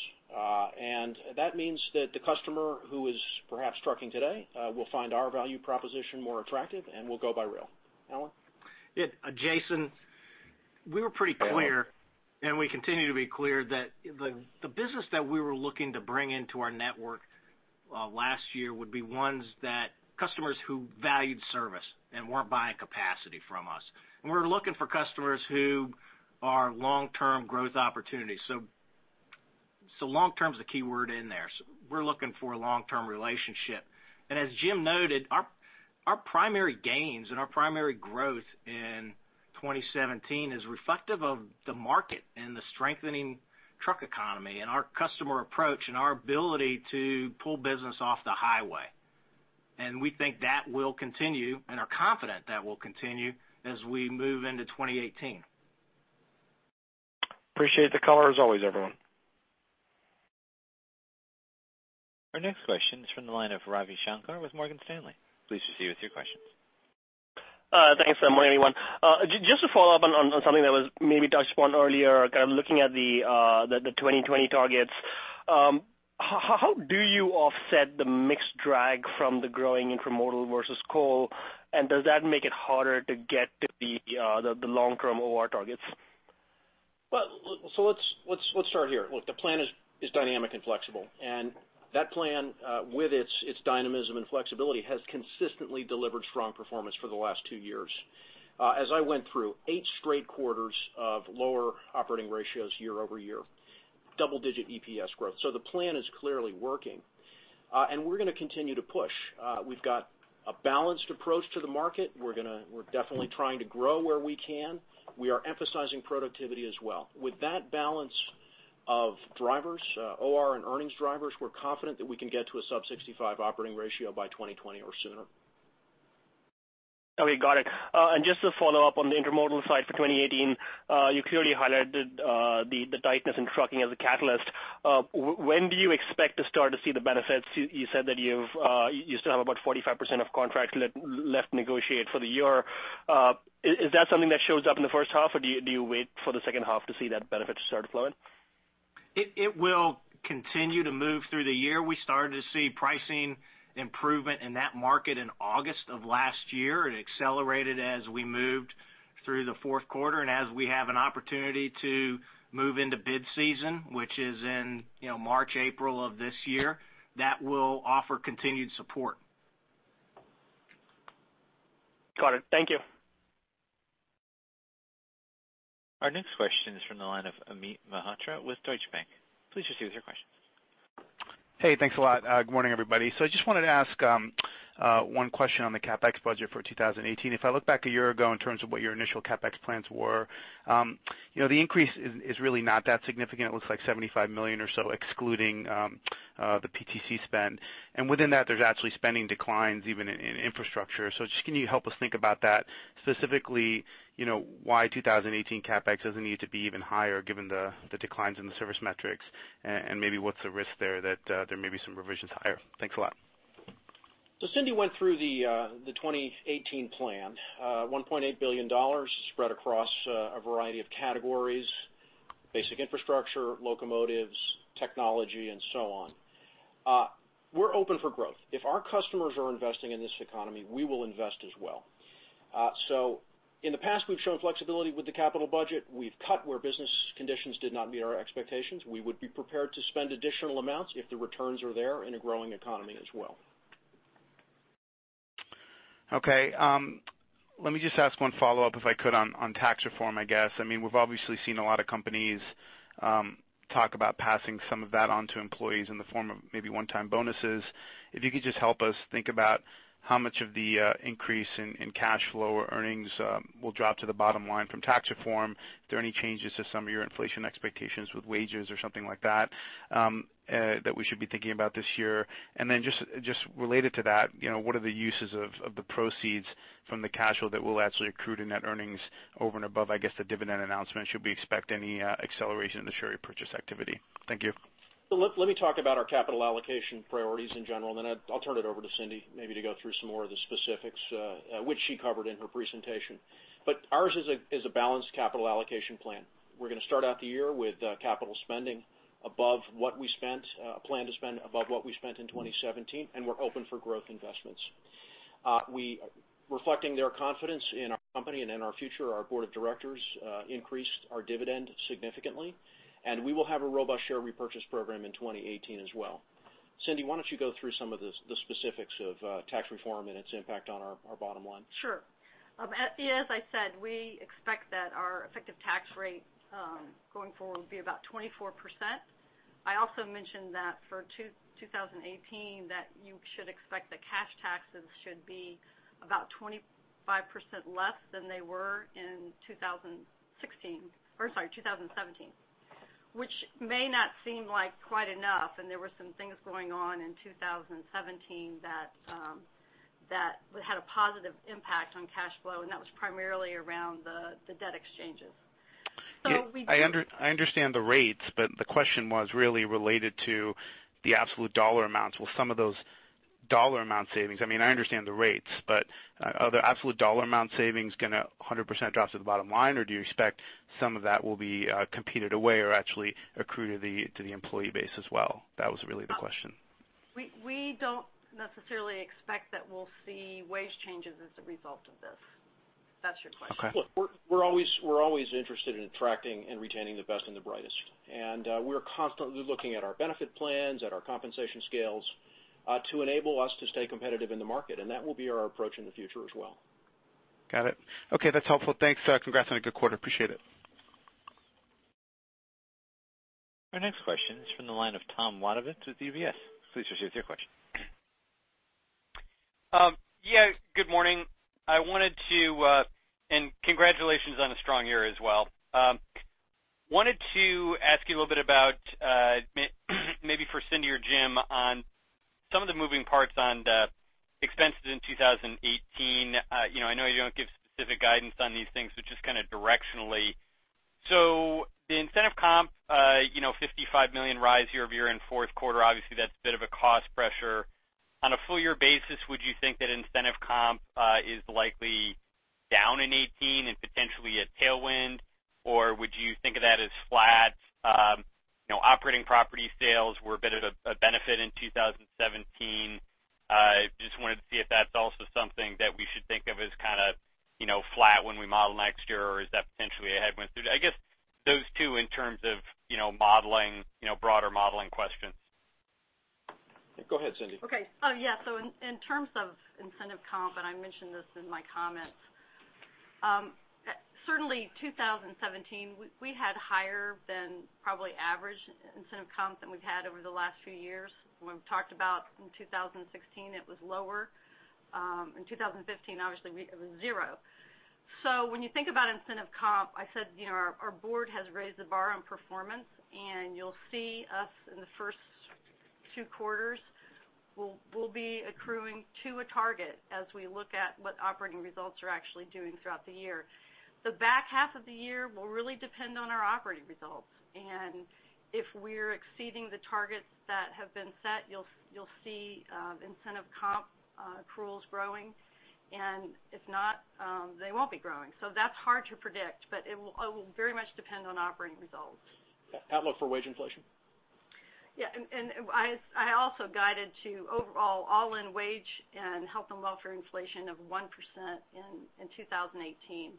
That means that the customer who is perhaps trucking today will find our value proposition more attractive and will go by rail. Alan? Yeah. Jason, we were pretty clear, and we continue to be clear that the business that we were looking to bring into our network last year would be ones that customers who valued service and weren't buying capacity from us. We were looking for customers who are long-term growth opportunities. Long-term is the key word in there. We're looking for a long-term relationship. As Jim noted, our primary gains and our primary growth in 2017 is reflective of the market and the strengthening truck economy and our customer approach and our ability to pull business off the highway. We think that will continue and are confident that will continue as we move into 2018. Appreciate the color as always, everyone. Our next question is from the line of Ravi Shanker with Morgan Stanley. Please proceed with your question. Thanks. Morning, everyone. Just to follow up on something that was maybe touched upon earlier, kind of looking at the 2020 targets. How do you offset the mixed drag from the growing intermodal versus coal, and does that make it harder to get to the long-term OR targets? Let's start here. Look, the plan is dynamic and flexible. That plan with its dynamism and flexibility has consistently delivered strong performance for the last two years. As I went through eight straight quarters of lower operating ratios year-over-year, double-digit EPS growth. The plan is clearly working. We're going to continue to push. We've got a balanced approach to the market. We're definitely trying to grow where we can. We are emphasizing productivity as well. With that balance of drivers, OR and earnings drivers, we're confident that we can get to a sub 65 operating ratio by 2020 or sooner. Okay, got it. Just to follow up on the intermodal side for 2018, you clearly highlighted the tightness in trucking as a catalyst. When do you expect to start to see the benefits? You said that you still have about 45% of contracts left to negotiate for the year. Is that something that shows up in the first half, or do you wait for the second half to see that benefit to start to flow in? It will continue to move through the year. We started to see pricing improvement in that market in August of last year. It accelerated as we moved through the fourth quarter and as we have an opportunity to move into bid season, which is in March, April of this year, that will offer continued support. Got it. Thank you. Our next question is from the line of Amit Mehrotra with Deutsche Bank. Please proceed with your question. Thanks a lot. Good morning, everybody. I just wanted to ask one question on the CapEx budget for 2018. If I look back a year ago in terms of what your initial CapEx plans were, the increase is really not that significant. It looks like $75 million or so, excluding the PTC spend. Within that, there's actually spending declines even in infrastructure. Just can you help us think about that? Specifically, why 2018 CapEx doesn't need to be even higher given the declines in the service metrics, and maybe what's the risk there that there may be some revisions higher? Thanks a lot. Cindy went through the 2018 plan, $1.8 billion spread across a variety of categories. Basic infrastructure, locomotives, technology, and so on. We're open for growth. If our customers are investing in this economy, we will invest as well. In the past, we've shown flexibility with the capital budget. We've cut where business conditions did not meet our expectations. We would be prepared to spend additional amounts if the returns are there in a growing economy as well. Okay. Let me just ask one follow-up, if I could, on tax reform, I guess. We've obviously seen a lot of companies talk about passing some of that on to employees in the form of maybe one-time bonuses. If you could just help us think about how much of the increase in cash flow or earnings will drop to the bottom line from tax reform. If there are any changes to some of your inflation expectations with wages or something like that we should be thinking about this year. Just related to that, what are the uses of the proceeds from the cash flow that will actually accrue to net earnings over and above, I guess, the dividend announcement? Should we expect any acceleration in the share repurchase activity? Thank you. Let me talk about our capital allocation priorities in general, and then I'll turn it over to Cindy, maybe to go through some more of the specifics, which she covered in her presentation. Ours is a balanced capital allocation plan. We're going to start out the year with capital spending above what we spent, plan to spend above what we spent in 2017, and we're open for growth investments. Reflecting their confidence in our company and in our future, our board of directors increased our dividend significantly, and we will have a robust share repurchase program in 2018 as well. Cindy, why don't you go through some of the specifics of tax reform and its impact on our bottom line? Sure. As I said, we expect that our effective tax rate going forward will be about 24%. I also mentioned that for 2018, you should expect the cash taxes should be about 25% less than they were in 2016 or sorry, 2017, which may not seem like quite enough, and there were some things going on in 2017 that had a positive impact on cash flow, and that was primarily around the debt exchanges. I understand the rates, the question was really related to the absolute dollar amounts. Will some of those dollar amount savings, I mean, I understand the rates, are the absolute dollar amount savings going to 100% drop to the bottom line, or do you expect some of that will be competed away or actually accrue to the employee base as well? That was really the question. We don't necessarily expect that we'll see wage changes as a result of this. If that's your question. Okay. Look, we're always interested in attracting and retaining the best and the brightest. We are constantly looking at our benefit plans, at our compensation scales, to enable us to stay competitive in the market, and that will be our approach in the future as well. Got it. Okay, that's helpful. Thanks. Congrats on a good quarter. Appreciate it. Our next question is from the line of Thomas Wadewitz with UBS. Please proceed with your question. Yeah, good morning. Congratulations on a strong year as well. Wanted to ask you a little bit about, maybe for Cindy or Jim, on some of the moving parts on the expenses in 2018. I know you don't give specific guidance on these things, but just directionally. The incentive comp, $55 million rise year-over-year in fourth quarter, obviously, that's a bit of a cost pressure. On a full year basis, would you think that incentive comp is likely down in 2018 and potentially a tailwind, or would you think of that as flat? Operating property sales were a bit of a benefit in 2017. Just wanted to see if that's also something that we should think of as flat when we model next year, or is that potentially a headwind? I guess those two in terms of broader modeling questions. Go ahead, Cindy. In terms of incentive comp, I mentioned this in my comments. Certainly 2017, we had higher than probably average incentive comp than we've had over the last few years. When we've talked about in 2016, it was lower. In 2015, obviously, it was zero. When you think about incentive comp, I said our board has raised the bar on performance, you'll see us in the first two quarters, we'll be accruing to a target as we look at what operating results are actually doing throughout the year. The back half of the year will really depend on our operating results. If we're exceeding the targets that have been set, you'll see incentive comp accruals growing. If not, they won't be growing. That's hard to predict, but it will very much depend on operating results. Outlook for wage inflation. I also guided to overall all-in wage and health and welfare inflation of 1% in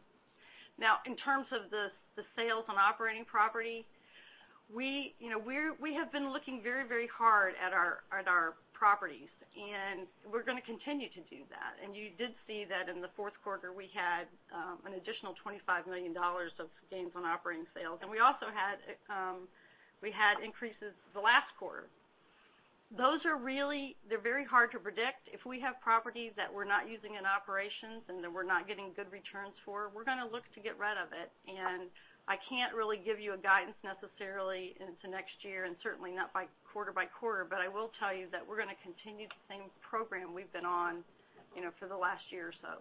2018. In terms of the sales on operating property, we have been looking very hard at our properties, we're going to continue to do that. You did see that in the fourth quarter, we had an additional $25 million of gains on operating sales. We also had increases the last quarter. Those are really, they're very hard to predict. If we have properties that we're not using in operations and that we're not getting good returns for, we're going to look to get rid of it. I can't really give you a guidance necessarily into next year and certainly not quarter by quarter, but I will tell you that we're going to continue the same program we've been on for the last year or so.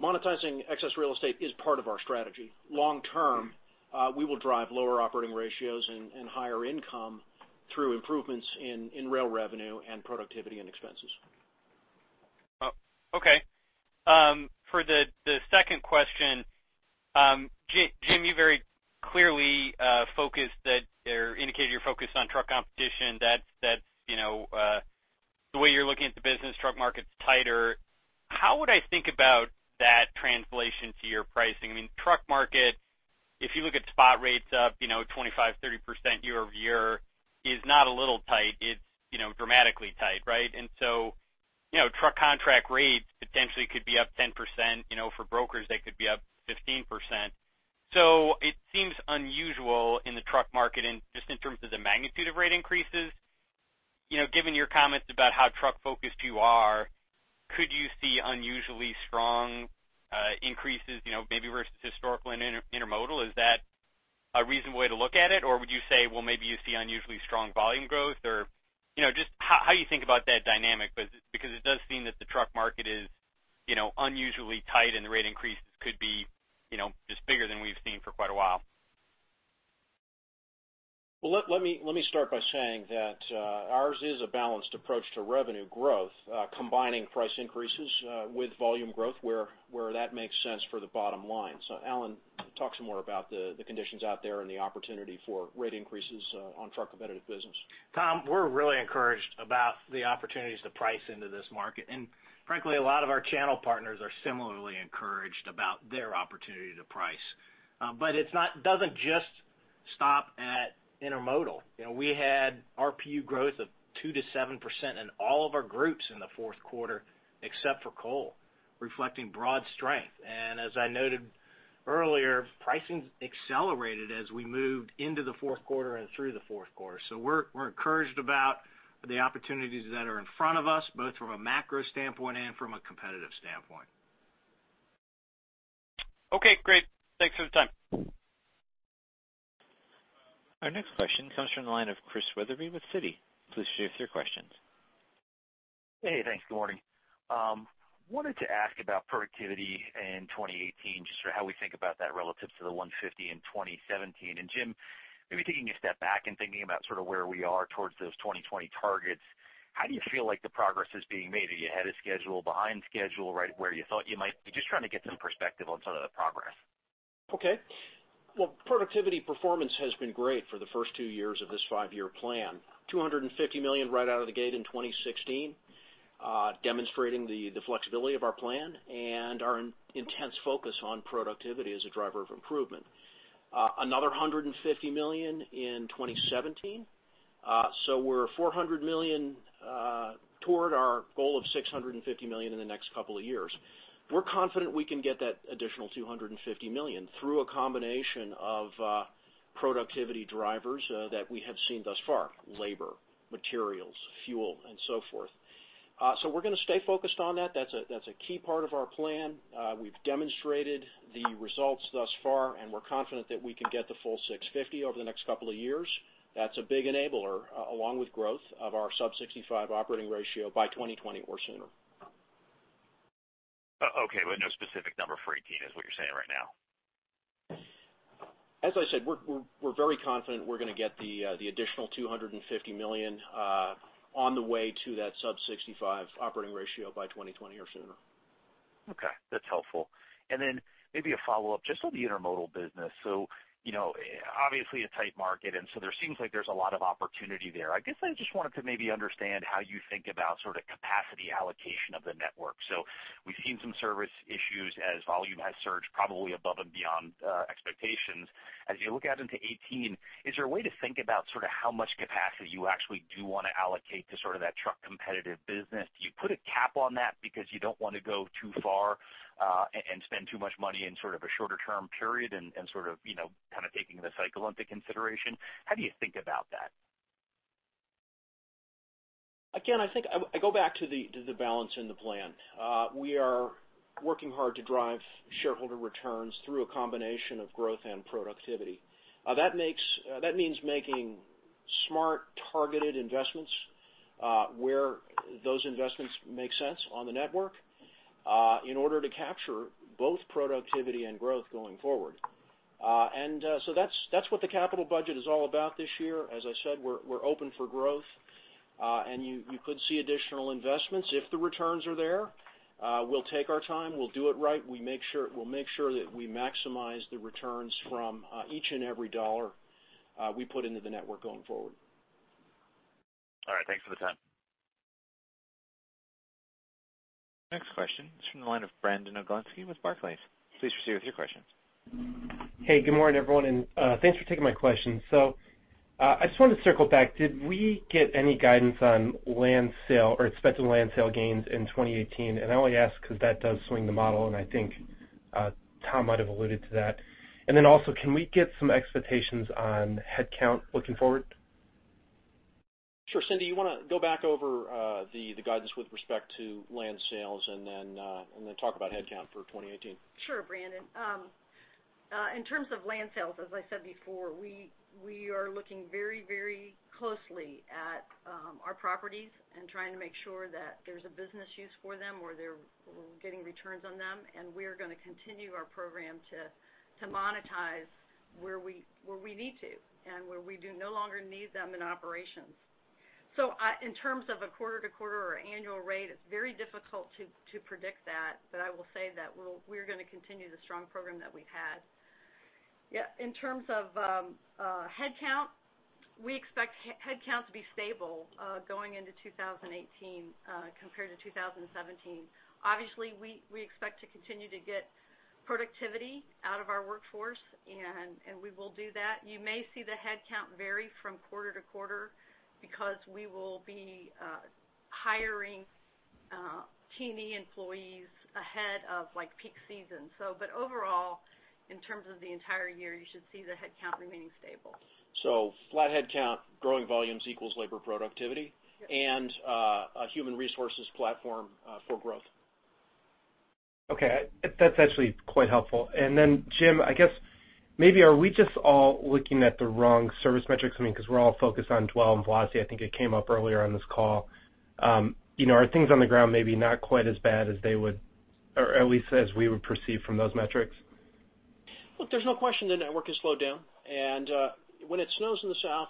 Monetizing excess real estate is part of our strategy. Long term, we will drive lower operating ratios and higher income through improvements in rail revenue and productivity and expenses. Okay. For the second question, Jim, you very clearly indicated you're focused on truck competition. The way you're looking at the business, truck market's tighter. How would I think about that translation to your pricing? I mean, truck market, if you look at spot rates up 25%-30% year-over-year, is not a little tight, it's dramatically tight, right? Truck contract rates potentially could be up 10%, for brokers, they could be up 15%. It seems unusual in the truck market just in terms of the magnitude of rate increases. Given your comments about how truck focused you are, could you see unusually strong increases, maybe versus historical and intermodal? Is that a reasonable way to look at it? Would you say, well, maybe you see unusually strong volume growth? Just how you think about that dynamic, because it does seem that the truck market is unusually tight and the rate increases could be just bigger than we've seen for quite a while. Well, let me start by saying that ours is a balanced approach to revenue growth, combining price increases with volume growth where that makes sense for the bottom line. Alan, talk some more about the conditions out there and the opportunity for rate increases on truck competitive business. Tom, we're really encouraged about the opportunities to price into this market. Frankly, a lot of our channel partners are similarly encouraged about their opportunity to price. It doesn't just stop at intermodal. We had RPU growth of 2%-7% in all of our groups in the fourth quarter, except for coal, reflecting broad strength. As I noted earlier, pricing accelerated as we moved into the fourth quarter and through the fourth quarter. We're encouraged about the opportunities that are in front of us, both from a macro standpoint and from a competitive standpoint. Okay, great. Thanks for the time. Our next question comes from the line of Christian Wetherbee with Citi. Please share your questions. Hey, thanks. Good morning. Wanted to ask about productivity in 2018, just sort of how we think about that relative to the $150 million in 2017. Jim, maybe taking a step back and thinking about sort of where we are towards those 2020 targets, how do you feel like the progress is being made? Are you ahead of schedule, behind schedule, right where you thought you might be? Just trying to get some perspective on sort of the progress. Okay. Well, productivity performance has been great for the first two years of this five-year plan. $250 million right out of the gate in 2016, demonstrating the flexibility of our plan and our intense focus on productivity as a driver of improvement. Another $150 million in 2017. We're $400 million toward our goal of $650 million in the next couple of years. We're confident we can get that additional $250 million through a combination of productivity drivers that we have seen thus far, labor, materials, fuel, and so forth. We're going to stay focused on that. That's a key part of our plan. We've demonstrated the results thus far, and we're confident that we can get the full $650 million over the next couple of years. That's a big enabler, along with growth of our sub 65 operating ratio by 2020 or sooner. Okay, no specific number for 2018 is what you're saying right now? As I said, we're very confident we're going to get the additional $250 million on the way to that sub 65 operating ratio by 2020 or sooner. Okay, that's helpful. Maybe a follow-up, just on the intermodal business. Obviously a tight market, and so there seems like there's a lot of opportunity there. I guess I just wanted to maybe understand how you think about sort of capacity allocation of the network. We've seen some service issues as volume has surged probably above and beyond expectations. As you look out into 2018, is there a way to think about how much capacity you actually do want to allocate to that truck competitive business? Do you put a cap on that because you don't want to go too far and spend too much money in sort of a shorter term period and sort of taking the cycle into consideration? How do you think about that? Again, I go back to the balance in the plan. We are working hard to drive shareholder returns through a combination of growth and productivity. That means making smart, targeted investments, where those investments make sense on the network, in order to capture both productivity and growth going forward. That's what the capital budget is all about this year. As I said, we're open for growth. You could see additional investments if the returns are there. We'll take our time. We'll do it right. We'll make sure that we maximize the returns from each and every dollar we put into the network going forward. All right. Thanks for the time. Next question is from the line of Brandon Oglenski with Barclays. Please proceed with your questions. Hey, good morning, everyone, and thanks for taking my question. I just wanted to circle back. Did we get any guidance on expected land sale gains in 2018? I only ask because that does swing the model, and I think Tom might have alluded to that. Then also, can we get some expectations on headcount looking forward? Sure. Cindy, you want to go back over the guidance with respect to land sales and then talk about headcount for 2018? Sure, Brandon. In terms of land sales, as I said before, we are looking very closely at our properties and trying to make sure that there's a business use for them or there's getting returns on them, and we're going to continue our program to monetize where we need to and where we do no longer need them in operations. In terms of a quarter to quarter or annual rate, it's very difficult to predict that, but I will say that we're going to continue the strong program that we've had. In terms of headcount, we expect headcount to be stable going into 2018 compared to 2017. Obviously, we expect to continue to get productivity out of our workforce, and we will do that. You may see the headcount vary from quarter to quarter because we will be hiring T&E employees ahead of peak season. Overall, in terms of the entire year, you should see the headcount remaining stable. Flat headcount, growing volumes equals labor productivity, and a human resources platform for growth. Okay. That's actually quite helpful. Jim, I guess, maybe are we just all looking at the wrong service metrics? Because we're all focused on dwell and velocity. I think it came up earlier on this call. Are things on the ground maybe not quite as bad as they would, or at least as we would perceive from those metrics? Look, there's no question the network has slowed down. When it snows in the south,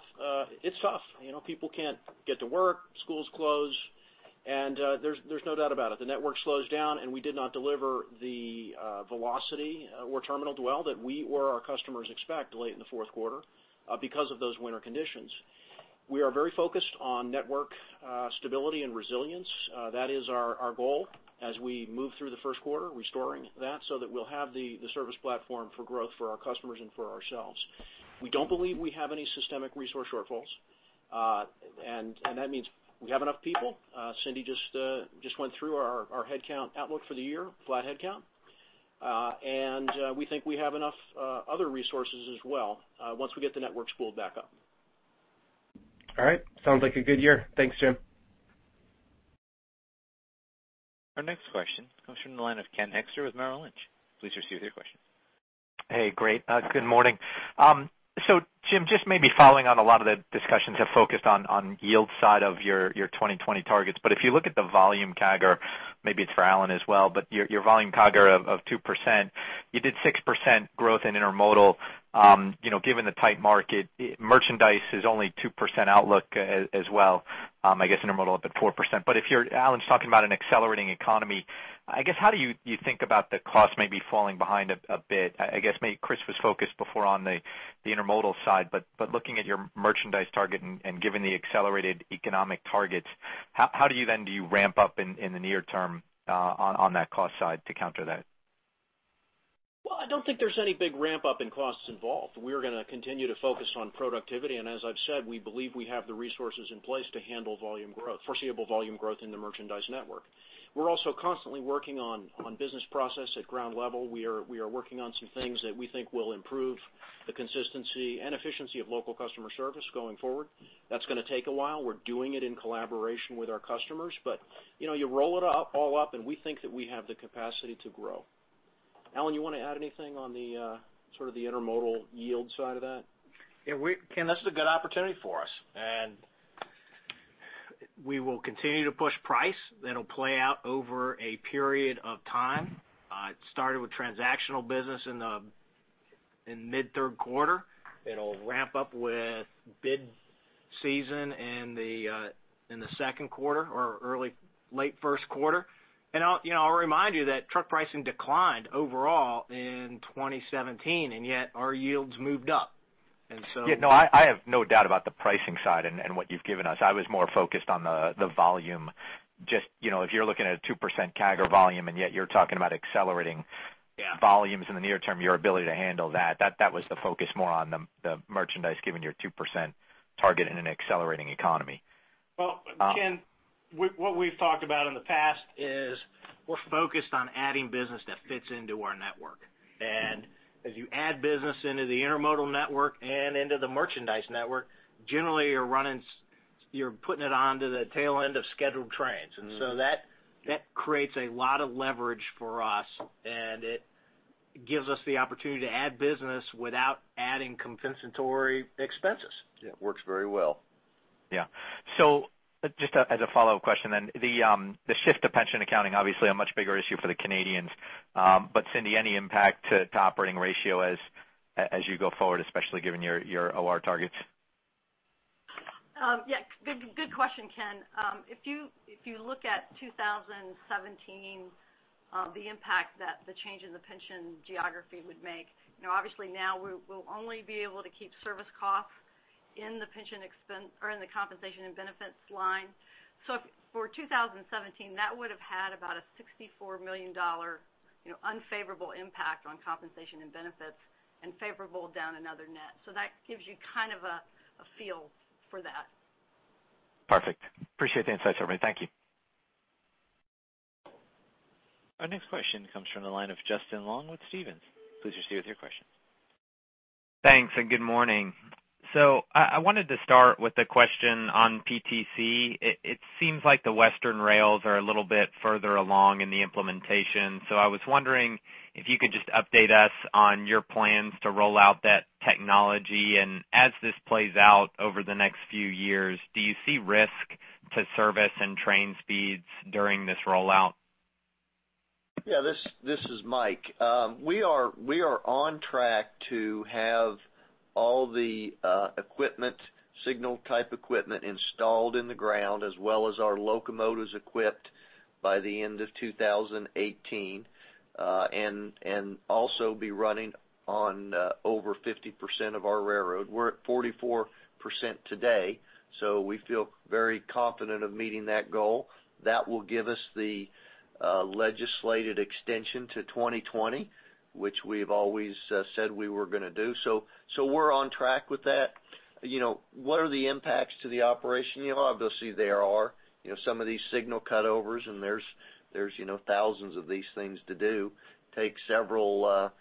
it's tough. People can't get to work, schools close, there's no doubt about it. The network slows down, we did not deliver the velocity or terminal dwell that we or our customers expect late in the fourth quarter because of those winter conditions. We are very focused on network stability and resilience. That is our goal as we move through the first quarter, restoring that so that we'll have the service platform for growth for our customers and for ourselves. We don't believe we have any systemic resource shortfalls, and that means we have enough people. Cindy just went through our headcount outlook for the year, flat headcount. We think we have enough other resources as well, once we get the network spooled back up. All right. Sounds like a good year. Thanks, Jim. Our next question comes from the line of Ken Hoexter with Merrill Lynch. Please proceed with your question. Hey, great. Good morning. Jim, just maybe following on a lot of the discussions have focused on yield side of your 2020 targets. If you look at the volume CAGR, maybe it's for Alan as well, but your volume CAGR of 2%, you did 6% growth in intermodal. Given the tight market, merchandise is only 2% outlook as well. I guess intermodal up at 4%. If Alan's talking about an accelerating economy, how do you think about the cost maybe falling behind a bit? I guess maybe Chris was focused before on the intermodal side, but looking at your merchandise target and given the accelerated economic targets, how do you ramp up in the near term on that cost side to counter that? I don't think there's any big ramp-up in costs involved. We are going to continue to focus on productivity, and as I've said, we believe we have the resources in place to handle foreseeable volume growth in the merchandise network. We're also constantly working on business process at ground level. We are working on some things that we think will improve the consistency and efficiency of local customer service going forward. That's going to take a while. We're doing it in collaboration with our customers. You roll it all up, and we think that we have the capacity to grow. Alan, you want to add anything on the intermodal yield side of that? Yeah, Ken, this is a good opportunity for us, we will continue to push price. That'll play out over a period of time. It started with transactional business in mid-third quarter. It'll ramp up with bid season in the second quarter or late first quarter. I'll remind you that truck pricing declined overall in 2017, and yet our yields moved up. Yeah, no, I have no doubt about the pricing side and what you've given us. I was more focused on the volume. Just if you're looking at a 2% CAGR volume, and yet you're talking about accelerating- Yeah volumes in the near term, your ability to handle that was the focus more on the merchandise, given your 2% target in an accelerating economy. Well, Ken, what we've talked about in the past is we're focused on adding business that fits into our network. As you add business into the intermodal network and into the merchandise network, generally you're putting it onto the tail end of scheduled trains. That creates a lot of leverage for us, and it gives us the opportunity to add business without adding compensatory expenses. Yeah, it works very well. Yeah. Just as a follow-up question then, the shift to pension accounting, obviously a much bigger issue for the Canadians. Cindy, any impact to operating ratio as you go forward, especially given your OR targets? Yeah. Good question, Ken. If you look at 2017, the impact that the change in the pension geography would make, obviously now we'll only be able to keep service costs in the compensation and benefits line. For 2017, that would have had about a $64 million unfavorable impact on compensation and benefits and favorable down in other net. That gives you kind of a feel for that. Perfect. Appreciate the insights, everybody. Thank you. Our next question comes from the line of Justin Long with Stephens. Please proceed with your question. Thanks, and good morning. I wanted to start with a question on PTC. It seems like the Western rails are a little bit further along in the implementation. I was wondering if you could just update us on your plans to roll out that technology. As this plays out over the next few years, do you see risk to service and train speeds during this rollout? Yeah, this is Mike. We are on track to have all the signal type equipment installed in the ground as well as our locomotives equipped by the end of 2018, and also be running on over 50% of our railroad. We're at 44% today, so we feel very confident of meeting that goal. That will give us the legislated extension to 2020, which we've always said we were going to do. We're on track with that. What are the impacts to the operation? Obviously, there are some of these signal cutovers and there's thousands of these things to do. Takes several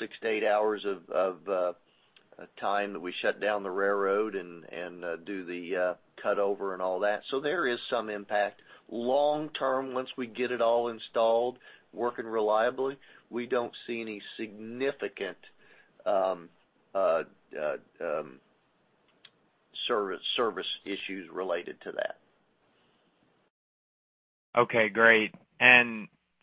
six to eight hours of time that we shut down the railroad and do the cutover and all that. There is some impact. Long term, once we get it all installed, working reliably, we don't see any significant service issues related to that. Okay, great.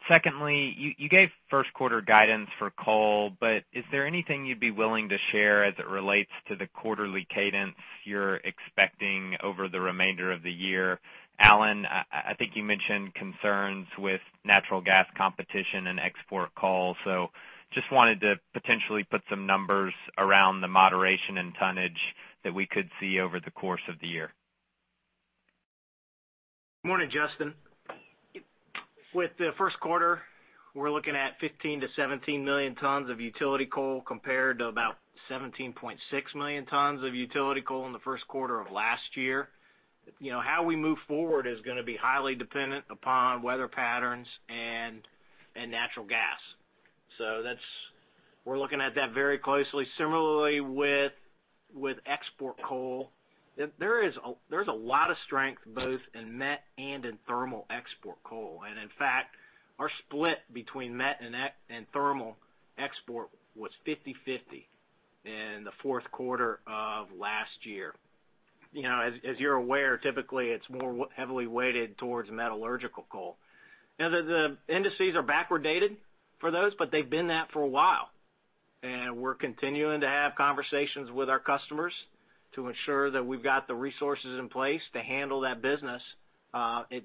Secondly, you gave first quarter guidance for coal, is there anything you'd be willing to share as it relates to the quarterly cadence you're expecting over the remainder of the year? Alan, I think you mentioned concerns with natural gas competition and export coal. Just wanted to potentially put some numbers around the moderation in tonnage that we could see over the course of the year. Morning, Justin. With the first quarter, we're looking at 15 million-17 million tons of utility coal compared to about 17.6 million tons of utility coal in the first quarter of last year. How we move forward is going to be highly dependent upon weather patterns and natural gas. We're looking at that very closely. Similarly with export coal. There's a lot of strength both in met and in thermal export coal. In fact, our split between met and thermal export was 50/50 in the fourth quarter of last year. As you're aware, typically it's more heavily weighted towards metallurgical coal. The indices are backward dated for those, they've been that for a while, and we're continuing to have conversations with our customers to ensure that we've got the resources in place to handle that business. It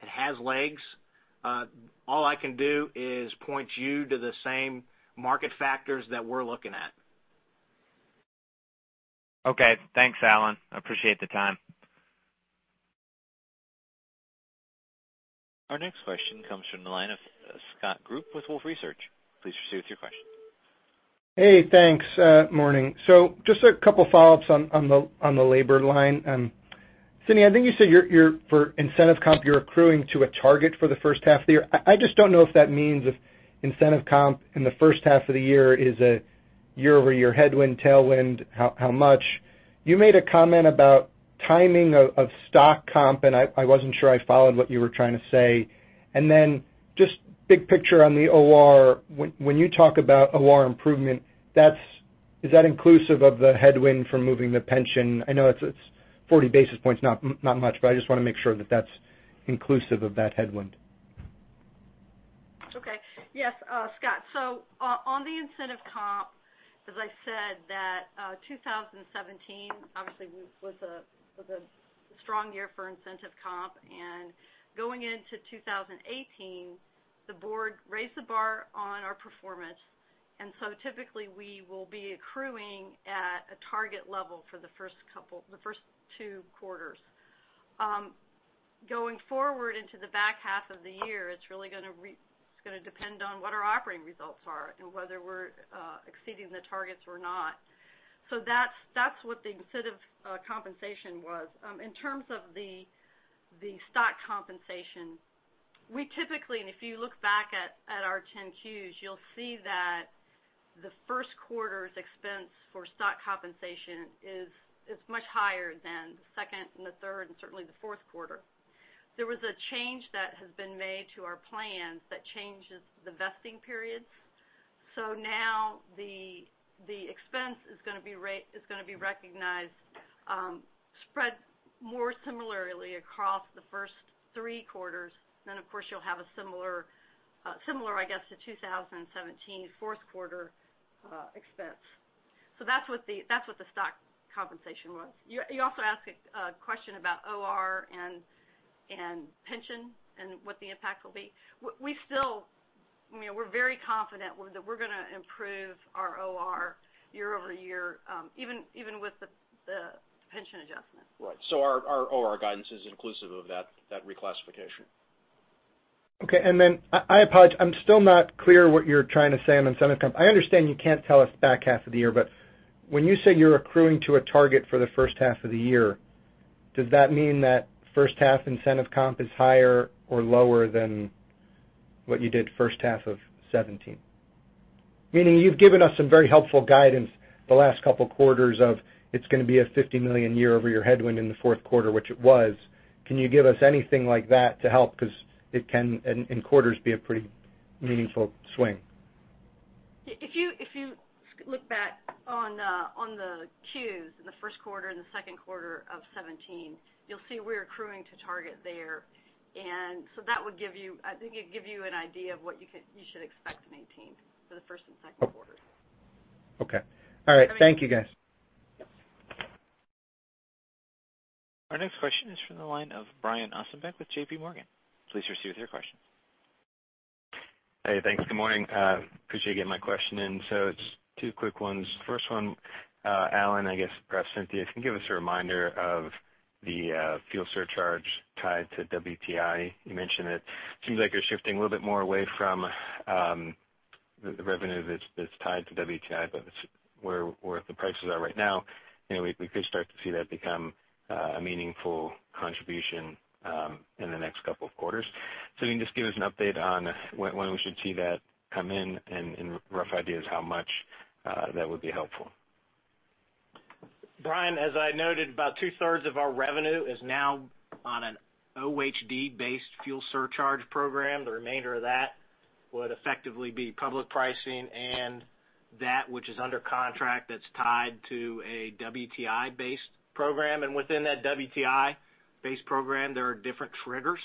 has legs. All I can do is point you to the same market factors that we're looking at. Okay. Thanks, Alan. I appreciate the time. Our next question comes from the line of Scott Group with Wolfe Research. Please proceed with your question. Hey, thanks. Morning. Just a couple follow-ups on the labor line. Cindy, I think you said for incentive comp, you're accruing to a target for the first half of the year. I just don't know if that means if incentive comp in the first half of the year is a year-over-year headwind, tailwind, how much? You made a comment about timing of stock comp, and I wasn't sure I followed what you were trying to say. Just big picture on the OR. When you talk about OR improvement, is that inclusive of the headwind from moving the pension? I know it's 40 basis points, not much, but I just want to make sure that's inclusive of that headwind. Okay. Yes, Scott. On the incentive comp, as I said that 2017 obviously was a strong year for incentive comp, going into 2018, the board raised the bar on our performance. Typically we will be accruing at a target level for the first two quarters. Going forward into the back half of the year, it's really going to depend on what our operating results are and whether we're exceeding the targets or not. That's what the incentive compensation was. In terms of the stock compensation, we typically, if you look back at our 10-Qs, you'll see that the first quarter's expense for stock compensation is much higher than the second and the third and certainly the fourth quarter. There was a change that has been made to our plans that changes the vesting periods. Now the expense is going to be recognized spread more similarly across the first three quarters. Of course, you'll have a similar, I guess, to 2017 fourth quarter expense. That's what the stock compensation was. You also asked a question about OR and pension and what the impact will be. We're very confident that we're going to improve our OR year-over-year even with the pension adjustment. Right. Our OR guidance is inclusive of that reclassification. Okay. I apologize, I'm still not clear what you're trying to say on incentive comp. I understand you can't tell us back half of the year, but when you say you're accruing to a target for the first half of the year, does that mean that first half incentive comp is higher or lower than what you did first half of 2017? Meaning you've given us some very helpful guidance the last couple quarters of it's going to be a $50 million year-over-year headwind in the fourth quarter, which it was. Can you give us anything like that to help? It can in quarters be a pretty meaningful swing. If you look back on the Qs in the first quarter and the second quarter of 2017, you'll see we're accruing to target there. I think it'd give you an idea of what you should expect in 2018 for the first and second quarters. Okay. All right. Thank you, guys. Yep. Our next question is from the line of Brian Ossenbeck with J.P. Morgan. Please proceed with your question. Hey, thanks. Good morning. Appreciate you getting my question in. It's two quick ones. First one, Alan, I guess perhaps Cynthia, can you give us a reminder of the fuel surcharge tied to WTI? You mentioned it seems like you're shifting a little bit more away from the revenue that's tied to WTI, but where the prices are right now, we could start to see that become a meaningful contribution in the next couple of quarters. Can you just give us an update on when we should see that come in and rough ideas how much that would be helpful? Brian, as I noted, about two-thirds of our revenue is now on an OHD-based fuel surcharge program. The remainder of that would effectively be public pricing and that which is under contract that's tied to a WTI-based program. Within that WTI-based program, there are different triggers.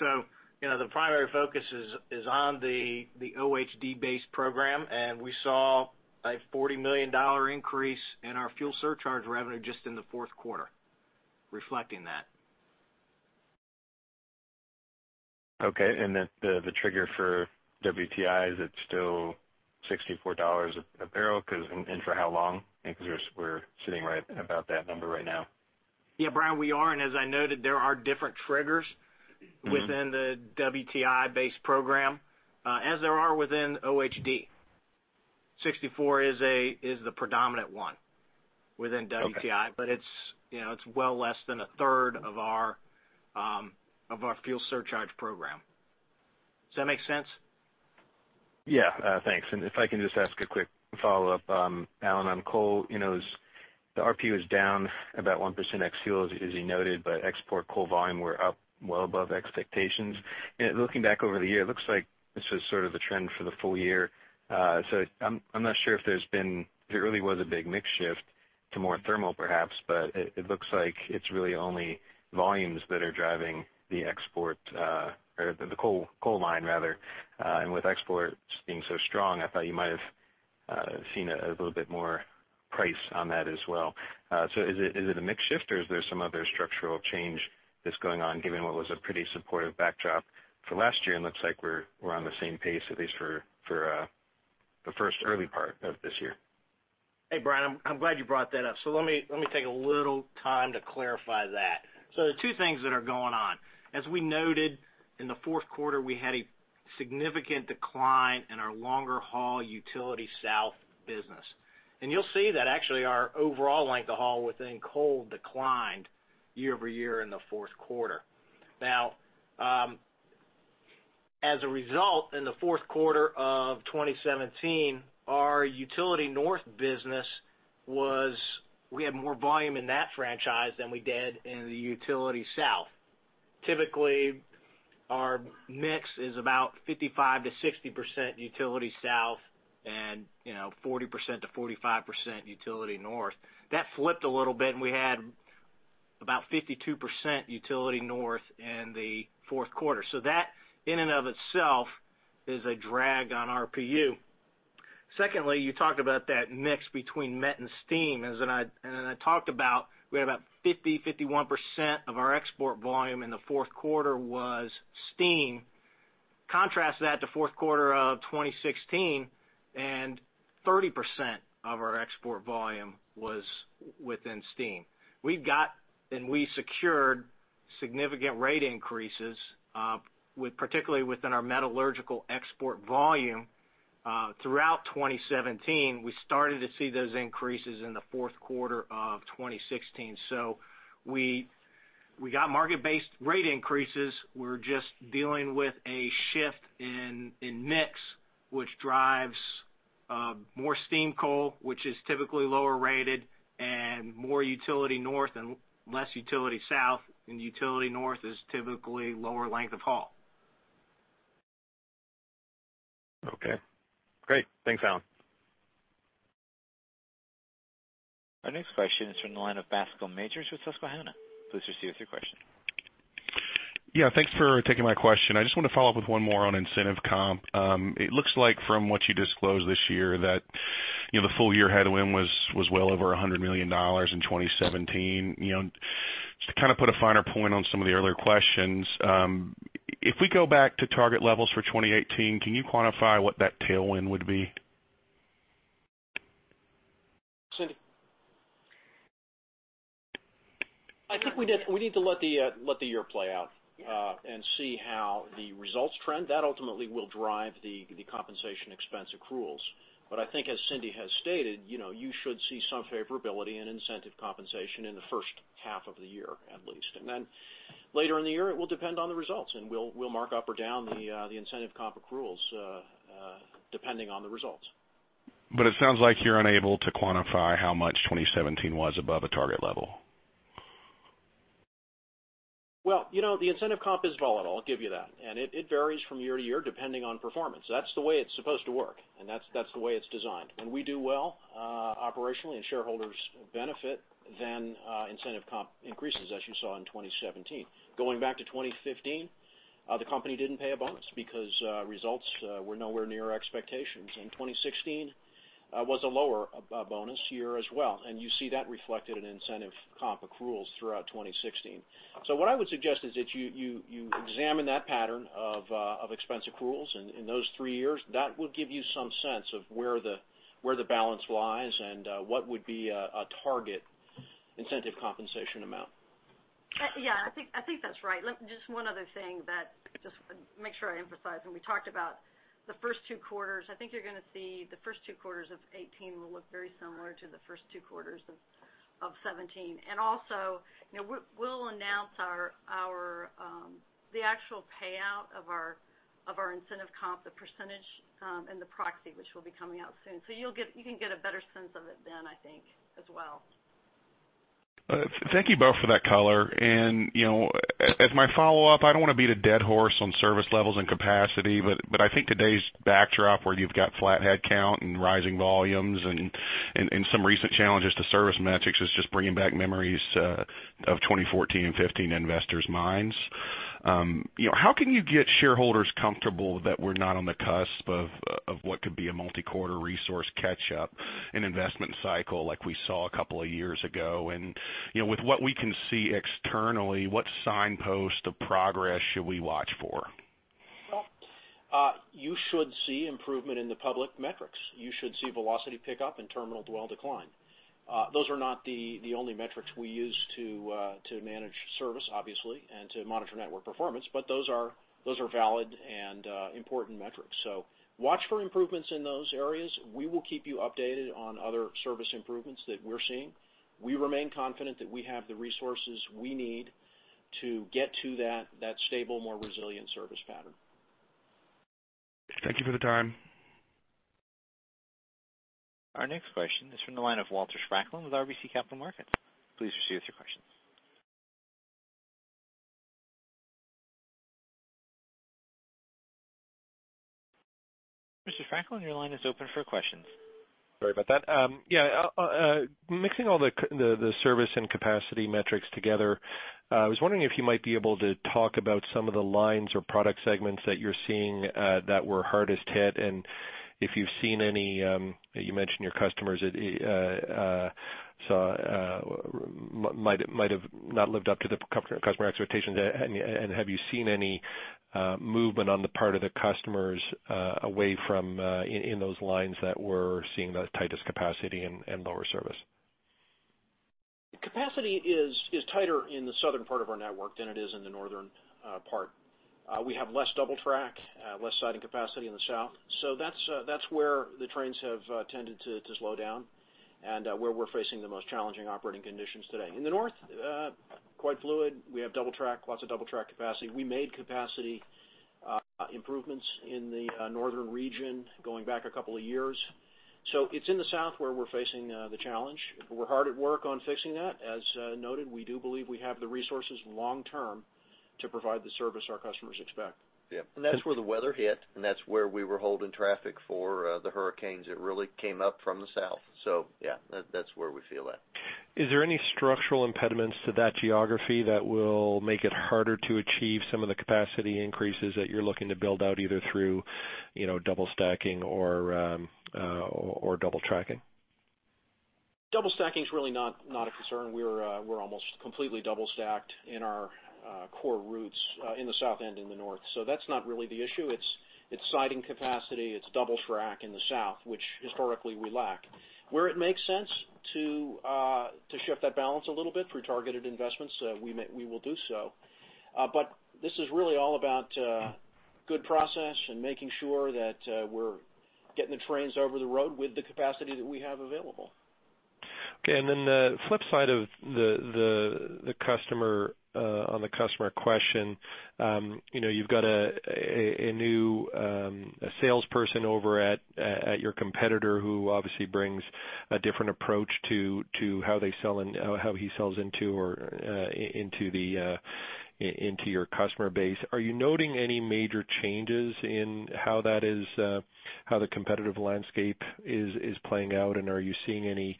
The primary focus is on the OHD-based program, and we saw a $40 million increase in our fuel surcharge revenue just in the fourth quarter reflecting that. Okay, the trigger for WTI, is it still $64 a barrel? For how long? Because we're sitting right about that number right now. Yeah, Brian, we are. As I noted, there are different triggers within the WTI-based program, as there are within OHD. 64 is the predominant one within WTI. Okay. It's well less than a third of our fuel surcharge program. Does that make sense? Yeah. Thanks. If I can just ask a quick follow-up, Alan, on coal. The RPU is down about 1% ex fuels, as you noted, export coal volume were up well above expectations. Looking back over the year, it looks like this was sort of the trend for the full year. I'm not sure if there really was a big mix shift to more thermal, perhaps, it looks like it's really only volumes that are driving the export, or the coal mine, rather. With exports being so strong, I thought you might have seen a little bit more price on that as well. Is it a mix shift or is there some other structural change that's going on given what was a pretty supportive backdrop for last year and looks like we're on the same pace, at least for the first early part of this year? Hey, Brian, I'm glad you brought that up. Let me take a little time to clarify that. There are two things that are going on. As we noted, in the fourth quarter, we had a significant decline in our longer haul utility south business. You'll see that actually our overall length of haul within coal declined year-over-year in the fourth quarter. As a result, in the fourth quarter of 2017, our utility north business, we had more volume in that franchise than we did in the utility south. Typically, our mix is about 55%-60% utility south and 40%-45% utility north. That flipped a little bit, and we had about 52% utility north in the fourth quarter. That in and of itself is a drag on RPU. Secondly, you talked about that mix between met and steam. I talked about we had about 50%-51% of our export volume in the fourth quarter was steam. Contrast that to fourth quarter of 2016, 30% of our export volume was within steam. We secured significant rate increases, particularly within our metallurgical export volume throughout 2017. We started to see those increases in the fourth quarter of 2016. We got market-based rate increases. We're just dealing with a shift in mix, which drives more steam coal, which is typically lower rated, and more utility north and less utility south, and utility north is typically lower length of haul. Great. Thanks, Alan. Our next question is from the line of Bascome Majors with Susquehanna. Please proceed with your question. Yeah, thanks for taking my question. I just want to follow up with one more on incentive comp. It looks like from what you disclosed this year that the full year headwind was well over $100 million in 2017. Just to kind of put a finer point on some of the earlier questions, if we go back to target levels for 2018, can you quantify what that tailwind would be? Cindy? I think we need to let the year play out and see how the results trend. That ultimately will drive the compensation expense accruals. I think as Cindy Ehrhardt has stated, you should see some favorability in incentive compensation in the first half of the year at least. Later in the year, it will depend on the results, and we'll mark up or down the incentive comp accruals depending on the results. It sounds like you're unable to quantify how much 2017 was above a target level? Well, the incentive comp is volatile, I'll give you that. It varies from year to year, depending on performance. That's the way it's supposed to work, and that's the way it's designed. When we do well operationally and shareholders benefit, incentive comp increases, as you saw in 2017. Going back to 2015, the company didn't pay a bonus because results were nowhere near expectations. 2016 was a lower bonus year as well, and you see that reflected in incentive comp accruals throughout 2016. What I would suggest is if you examine that pattern of expense accruals in those three years, that will give you some sense of where the balance lies and what would be a target incentive compensation amount. I think that's right. Just one other thing that, make sure I emphasize, when we talked about the first two quarters, I think you're going to see the first two quarters of 2018 will look very similar to the first two quarters of 2017. Also, we'll announce the actual payout of our incentive comp, the percentage, in the proxy, which will be coming out soon. You can get a better sense of it then, I think, as well. Thank you both for that color. As my follow-up, I don't want to beat a dead horse on service levels and capacity, but I think today's backdrop where you've got flat headcount and rising volumes and some recent challenges to service metrics is just bringing back memories of 2014 and 2015 in investors' minds. How can you get shareholders comfortable that we're not on the cusp of what could be a multi-quarter resource catch-up and investment cycle like we saw a couple of years ago? With what we can see externally, what signpost of progress should we watch for? Well, you should see improvement in the public metrics. You should see velocity pick up and terminal dwell decline. Those are not the only metrics we use to manage service, obviously, and to monitor network performance, but those are valid and important metrics. Watch for improvements in those areas. We will keep you updated on other service improvements that we're seeing. We remain confident that we have the resources we need to get to that stable, more resilient service pattern. Thank you for the time. Our next question is from the line of Walter Spracklin with RBC Capital Markets. Please proceed with your questions. Mr. Spracklin, your line is open for questions. Sorry about that. Mixing all the service and capacity metrics together, I was wondering if you might be able to talk about some of the lines or product segments that you're seeing that were hardest hit. You mentioned your customers might have not lived up to the customer expectations. Have you seen any movement on the part of the customers away from in those lines that were seeing the tightest capacity and lower service? Capacity is tighter in the southern part of our network than it is in the northern part. We have less double track, less siding capacity in the south. That's where the trains have tended to slow down and where we're facing the most challenging operating conditions today. In the north, it is quite fluid. We have double track, lots of double track capacity. We made capacity improvements in the northern region going back a couple of years. It's in the south where we're facing the challenge. We're hard at work on fixing that. As noted, we do believe we have the resources long term to provide the service our customers expect. That's where the weather hit, and that's where we were holding traffic for the hurricanes that really came up from the south. That's where we feel that. Is there any structural impediments to that geography that will make it harder to achieve some of the capacity increases that you're looking to build out, either through double stacking or double tracking? Double stacking is really not a concern. We're almost completely double stacked in our core routes in the south and in the north. That's not really the issue. It's siding capacity. It's double track in the south, which historically we lack. Where it makes sense to shift that balance a little bit through targeted investments, we will do so. This is really all about good process and making sure that we're getting the trains over the road with the capacity that we have available. Okay, the flip side on the customer question, you've got a new salesperson over at your competitor who obviously brings a different approach to how he sells into your customer base. Are you noting any major changes in how the competitive landscape is playing out, are you seeing,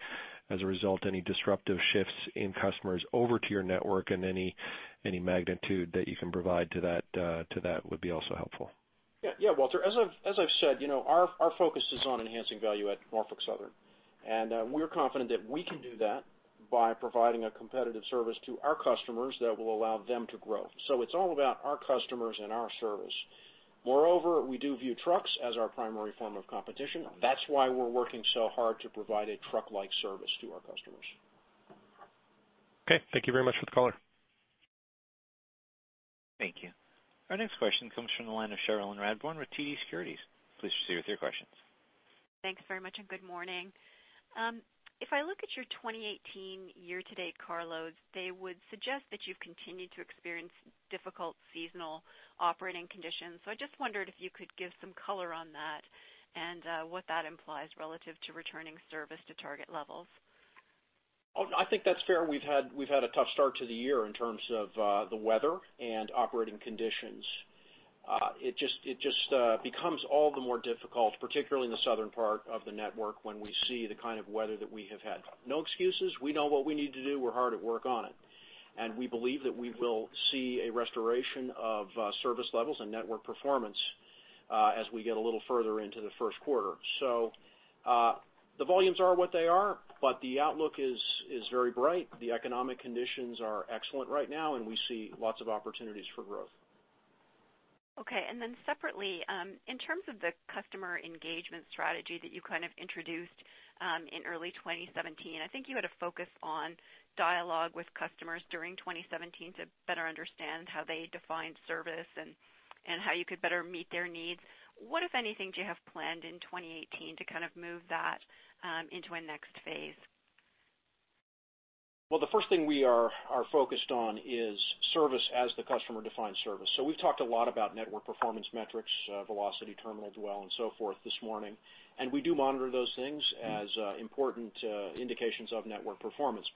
as a result, any disruptive shifts in customers over to your network, any magnitude that you can provide to that would be also helpful. Yeah, Walter, as I've said, our focus is on enhancing value at Norfolk Southern. We're confident that we can do that by providing a competitive service to our customers that will allow them to grow. It's all about our customers and our service. Moreover, we do view trucks as our primary form of competition. That's why we're working so hard to provide a truck-like service to our customers. Okay, thank you very much for the color. Thank you. Our next question comes from the line of Cherilyn Radbourne with TD Securities. Please proceed with your questions. Thanks very much. Good morning. If I look at your 2018 year-to-date car loads, they would suggest that you've continued to experience difficult seasonal operating conditions. I just wondered if you could give some color on that and what that implies relative to returning service to target levels. I think that's fair. We've had a tough start to the year in terms of the weather and operating conditions. It just becomes all the more difficult, particularly in the southern part of the network, when we see the kind of weather that we have had. No excuses. We know what we need to do. We're hard at work on it. We believe that we will see a restoration of service levels and network performance as we get a little further into the first quarter. The volumes are what they are. The outlook is very bright. The economic conditions are excellent right now, and we see lots of opportunities for growth. Okay, separately, in terms of the customer engagement strategy that you kind of introduced in early 2017, I think you had a focus on dialogue with customers during 2017 to better understand how they defined service and how you could better meet their needs. What, if anything, do you have planned in 2018 to kind of move that into a next phase? Well, the first thing we are focused on is service as the customer defines service. We've talked a lot about network performance metrics, velocity, terminal dwell, and so forth this morning. We do monitor those things as important indications of network performance.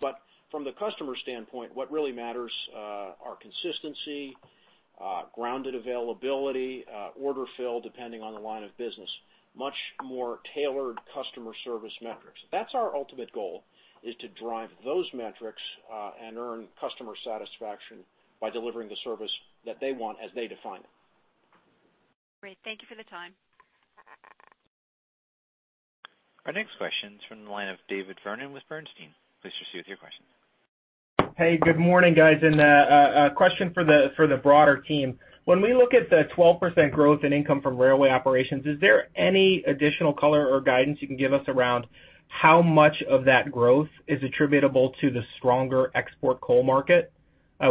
From the customer standpoint, what really matters are consistency, grounded availability, order fill, depending on the line of business, much more tailored customer service metrics. That's our ultimate goal, is to drive those metrics and earn customer satisfaction by delivering the service that they want as they define it. Great. Thank you for the time. Our next question is from the line of David Vernon with Bernstein. Please proceed with your question. Hey, good morning, guys. A question for the broader team. When we look at the 12% growth in income from railway operations, is there any additional color or guidance you can give us around how much of that growth is attributable to the stronger export coal market?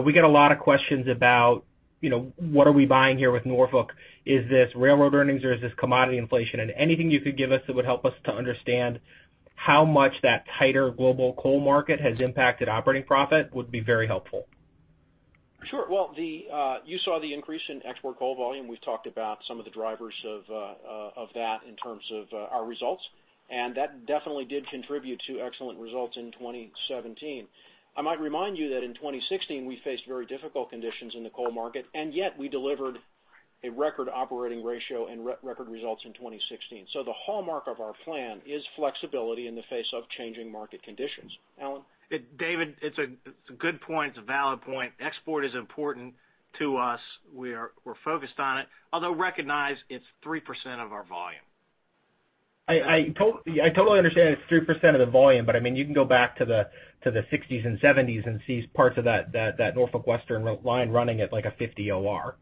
We get a lot of questions about what are we buying here with Norfolk? Is this railroad earnings or is this commodity inflation? Anything you could give us that would help us to understand how much that tighter global coal market has impacted operating profit would be very helpful. Sure. Well, you saw the increase in export coal volume. We've talked about some of the drivers of that in terms of our results, that definitely did contribute to excellent results in 2017. I might remind you that in 2016, we faced very difficult conditions in the coal market, yet we delivered a record operating ratio and record results in 2016. The hallmark of our plan is flexibility in the face of changing market conditions. Alan? David, it's a good point. It's a valid point. Export is important to us. We're focused on it, although recognize it's 3% of our volume. I totally understand it's 3% of the volume, but you can go back to the '60s and '70s and see parts of that Norfolk and Western line running at, like, a 50 OR.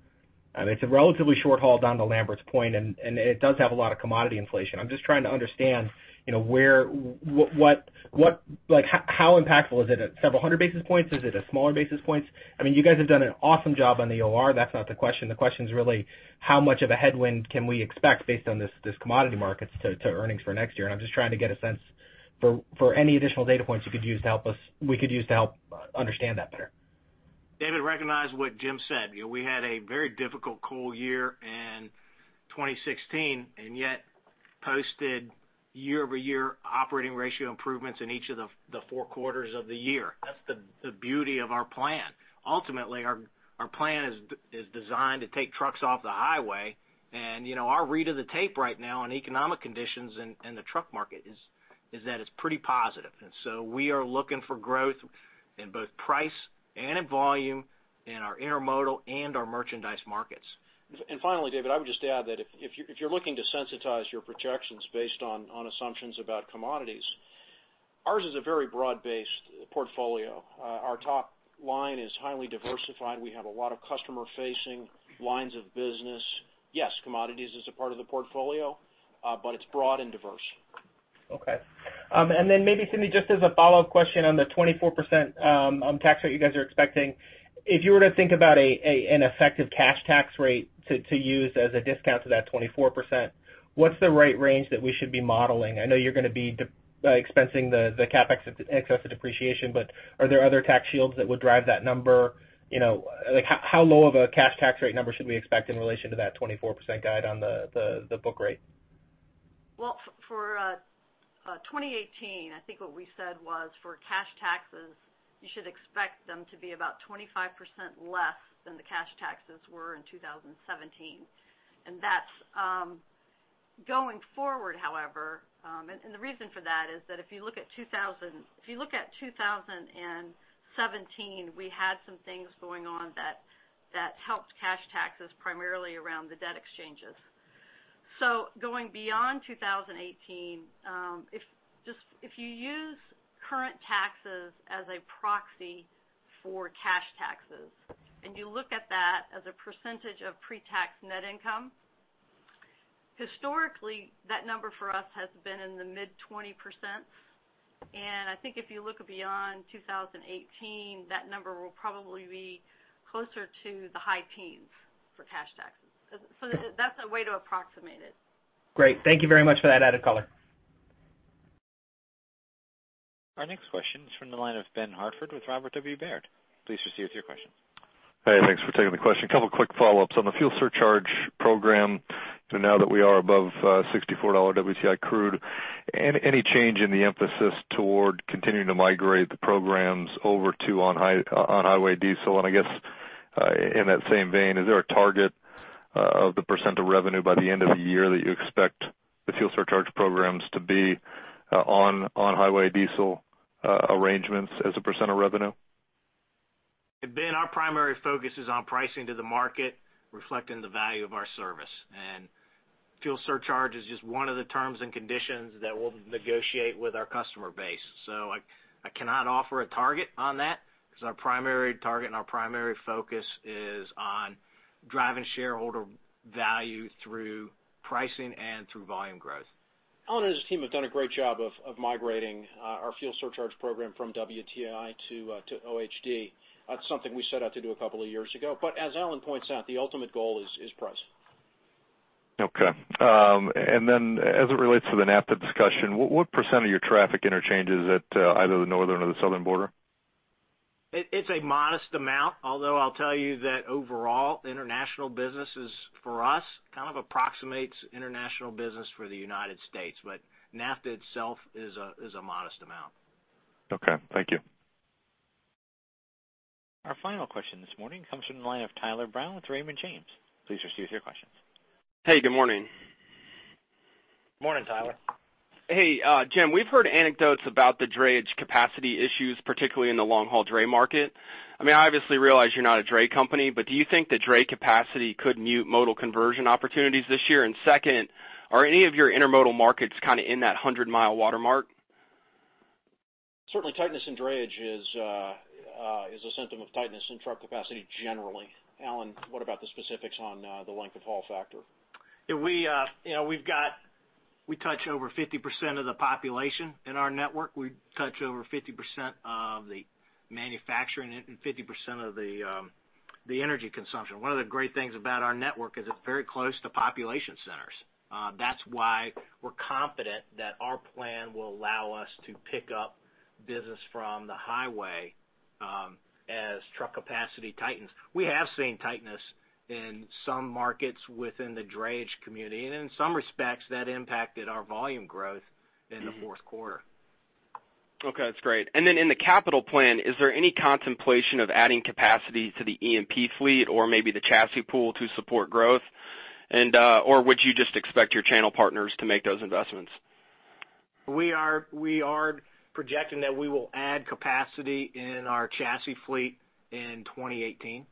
It's a relatively short haul down to Lamberts Point, it does have a lot of commodity inflation. I'm just trying to understand how impactful is it at several hundred basis points? Is it at smaller basis points? You guys have done an awesome job on the OR. That's not the question. The question is really how much of a headwind can we expect based on this commodity markets to earnings for next year? I'm just trying to get a sense for any additional data points you could use to help us understand that better. David, recognize what Jim said. We had a very difficult coal year in 2016 and yet posted year-over-year operating ratio improvements in each of the four quarters of the year. That's the beauty of our plan. Ultimately, our plan is designed to take trucks off the highway, our read of the tape right now on economic conditions in the truck market is that it's pretty positive. We are looking for growth in both price and in volume in our intermodal and our merchandise markets. Finally, David, I would just add that if you're looking to sensitize your projections based on assumptions about commodities, ours is a very broad-based portfolio. Our top line is highly diversified. We have a lot of customer-facing lines of business. Yes, commodities is a part of the portfolio, but it's broad and diverse. Okay. Maybe, Cindy, just as a follow-up question on the 24% tax rate you guys are expecting. If you were to think about an effective cash tax rate to use as a discount to that 24%, what's the right range that we should be modeling? I know you're going to be expensing the CapEx excess of depreciation, but are there other tax shields that would drive that number? How low of a cash tax rate number should we expect in relation to that 24% guide on the book rate? Well, for 2018, I think what we said was for cash taxes, you should expect them to be about 25% less than the cash taxes were in 2017. Going forward, however, the reason for that is that if you look at 2017, we had some things going on that helped cash taxes primarily around the debt exchanges. Going beyond 2018, if you use current taxes as a proxy for cash taxes and you look at that as a percentage of pre-tax net income, historically, that number for us has been in the mid-20%. I think if you look beyond 2018, that number will probably be closer to the high teens for cash taxes. That's a way to approximate it. Great. Thank you very much for that added color. Our next question is from the line of Ben Hartford with Robert W. Baird. Please proceed with your question. Hey, thanks for taking the question. A couple of quick follow-ups on the fuel surcharge program. Now that we are above $64 WTI crude, any change in the emphasis toward continuing to migrate the programs over to on-highway diesel? I guess, in that same vein, is there a target of the % of revenue by the end of the year that you expect the fuel surcharge programs to be on-highway diesel arrangements as a % of revenue? Ben, our primary focus is on pricing to the market, reflecting the value of our service. Fuel surcharge is just one of the terms and conditions that we'll negotiate with our customer base. I cannot offer a target on that because our primary target and our primary focus is on driving shareholder value through pricing and through volume growth. Alan and his team have done a great job of migrating our fuel surcharge program from WTI to OHD. That's something we set out to do a couple of years ago. As Alan points out, the ultimate goal is price. Okay. As it relates to the NAFTA discussion, what % of your traffic interchanges at either the northern or the southern border? It's a modest amount, although I'll tell you that overall, international business is, for us, kind of approximates international business for the U.S. NAFTA itself is a modest amount. Okay, thank you. Our final question this morning comes from the line of Tyler Brown with Raymond James. Please proceed with your questions. Hey, good morning. Morning, Tyler. Hey, Jim, we've heard anecdotes about the drayage capacity issues, particularly in the long-haul dray market. I obviously realize you're not a dray company, do you think the dray capacity could mute modal conversion opportunities this year? Second, are any of your intermodal markets kind of in that 100-mile watermark? Certainly, tightness in drayage is a symptom of tightness in truck capacity generally. Alan, what about the specifics on the length of haul factor? Yeah, we touch over 50% of the population in our network. We touch over 50% of the manufacturing and 50% of the energy consumption. One of the great things about our network is it's very close to population centers. That's why we're confident that our plan will allow us to pick up business from the highway as truck capacity tightens. We have seen tightness in some markets within the drayage community, in some respects, that impacted our volume growth in the fourth quarter. Okay, that's great. In the capital plan, is there any contemplation of adding capacity to the EMP fleet or maybe the chassis pool to support growth? Would you just expect your channel partners to make those investments? We are projecting that we will add capacity in our chassis fleet in 2018.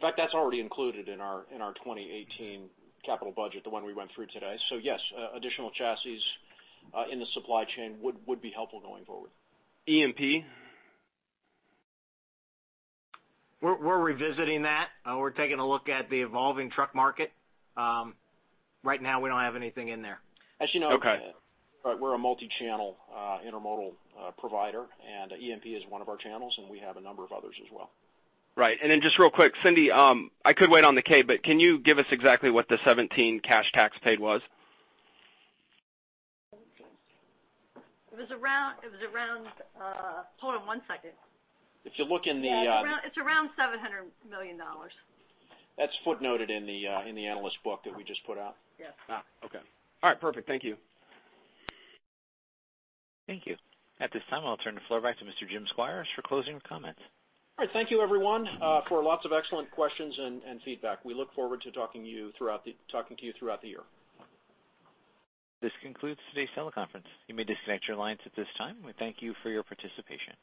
In fact, that's already included in our 2018 capital budget, the one we went through today. Yes, additional chassis in the supply chain would be helpful going forward. EMP? We're revisiting that. We're taking a look at the evolving truck market. Right now, we don't have anything in there. Okay. As you know, we're a multi-channel intermodal provider. EMP is one of our channels, and we have a number of others as well. Right. Just real quick, Cindy, I could wait on the K, but can you give us exactly what the 2017 cash tax paid was? It was around. Hold on one second. If you look in the. It's around $700 million. That's footnoted in the analyst book that we just put out. Yes. Okay. All right, perfect. Thank you. Thank you. At this time, I'll turn the floor back to Mr. Jim Squires for closing comments. All right. Thank you, everyone, for lots of excellent questions and feedback. We look forward to talking to you throughout the year. This concludes today's teleconference. You may disconnect your lines at this time. We thank you for your participation.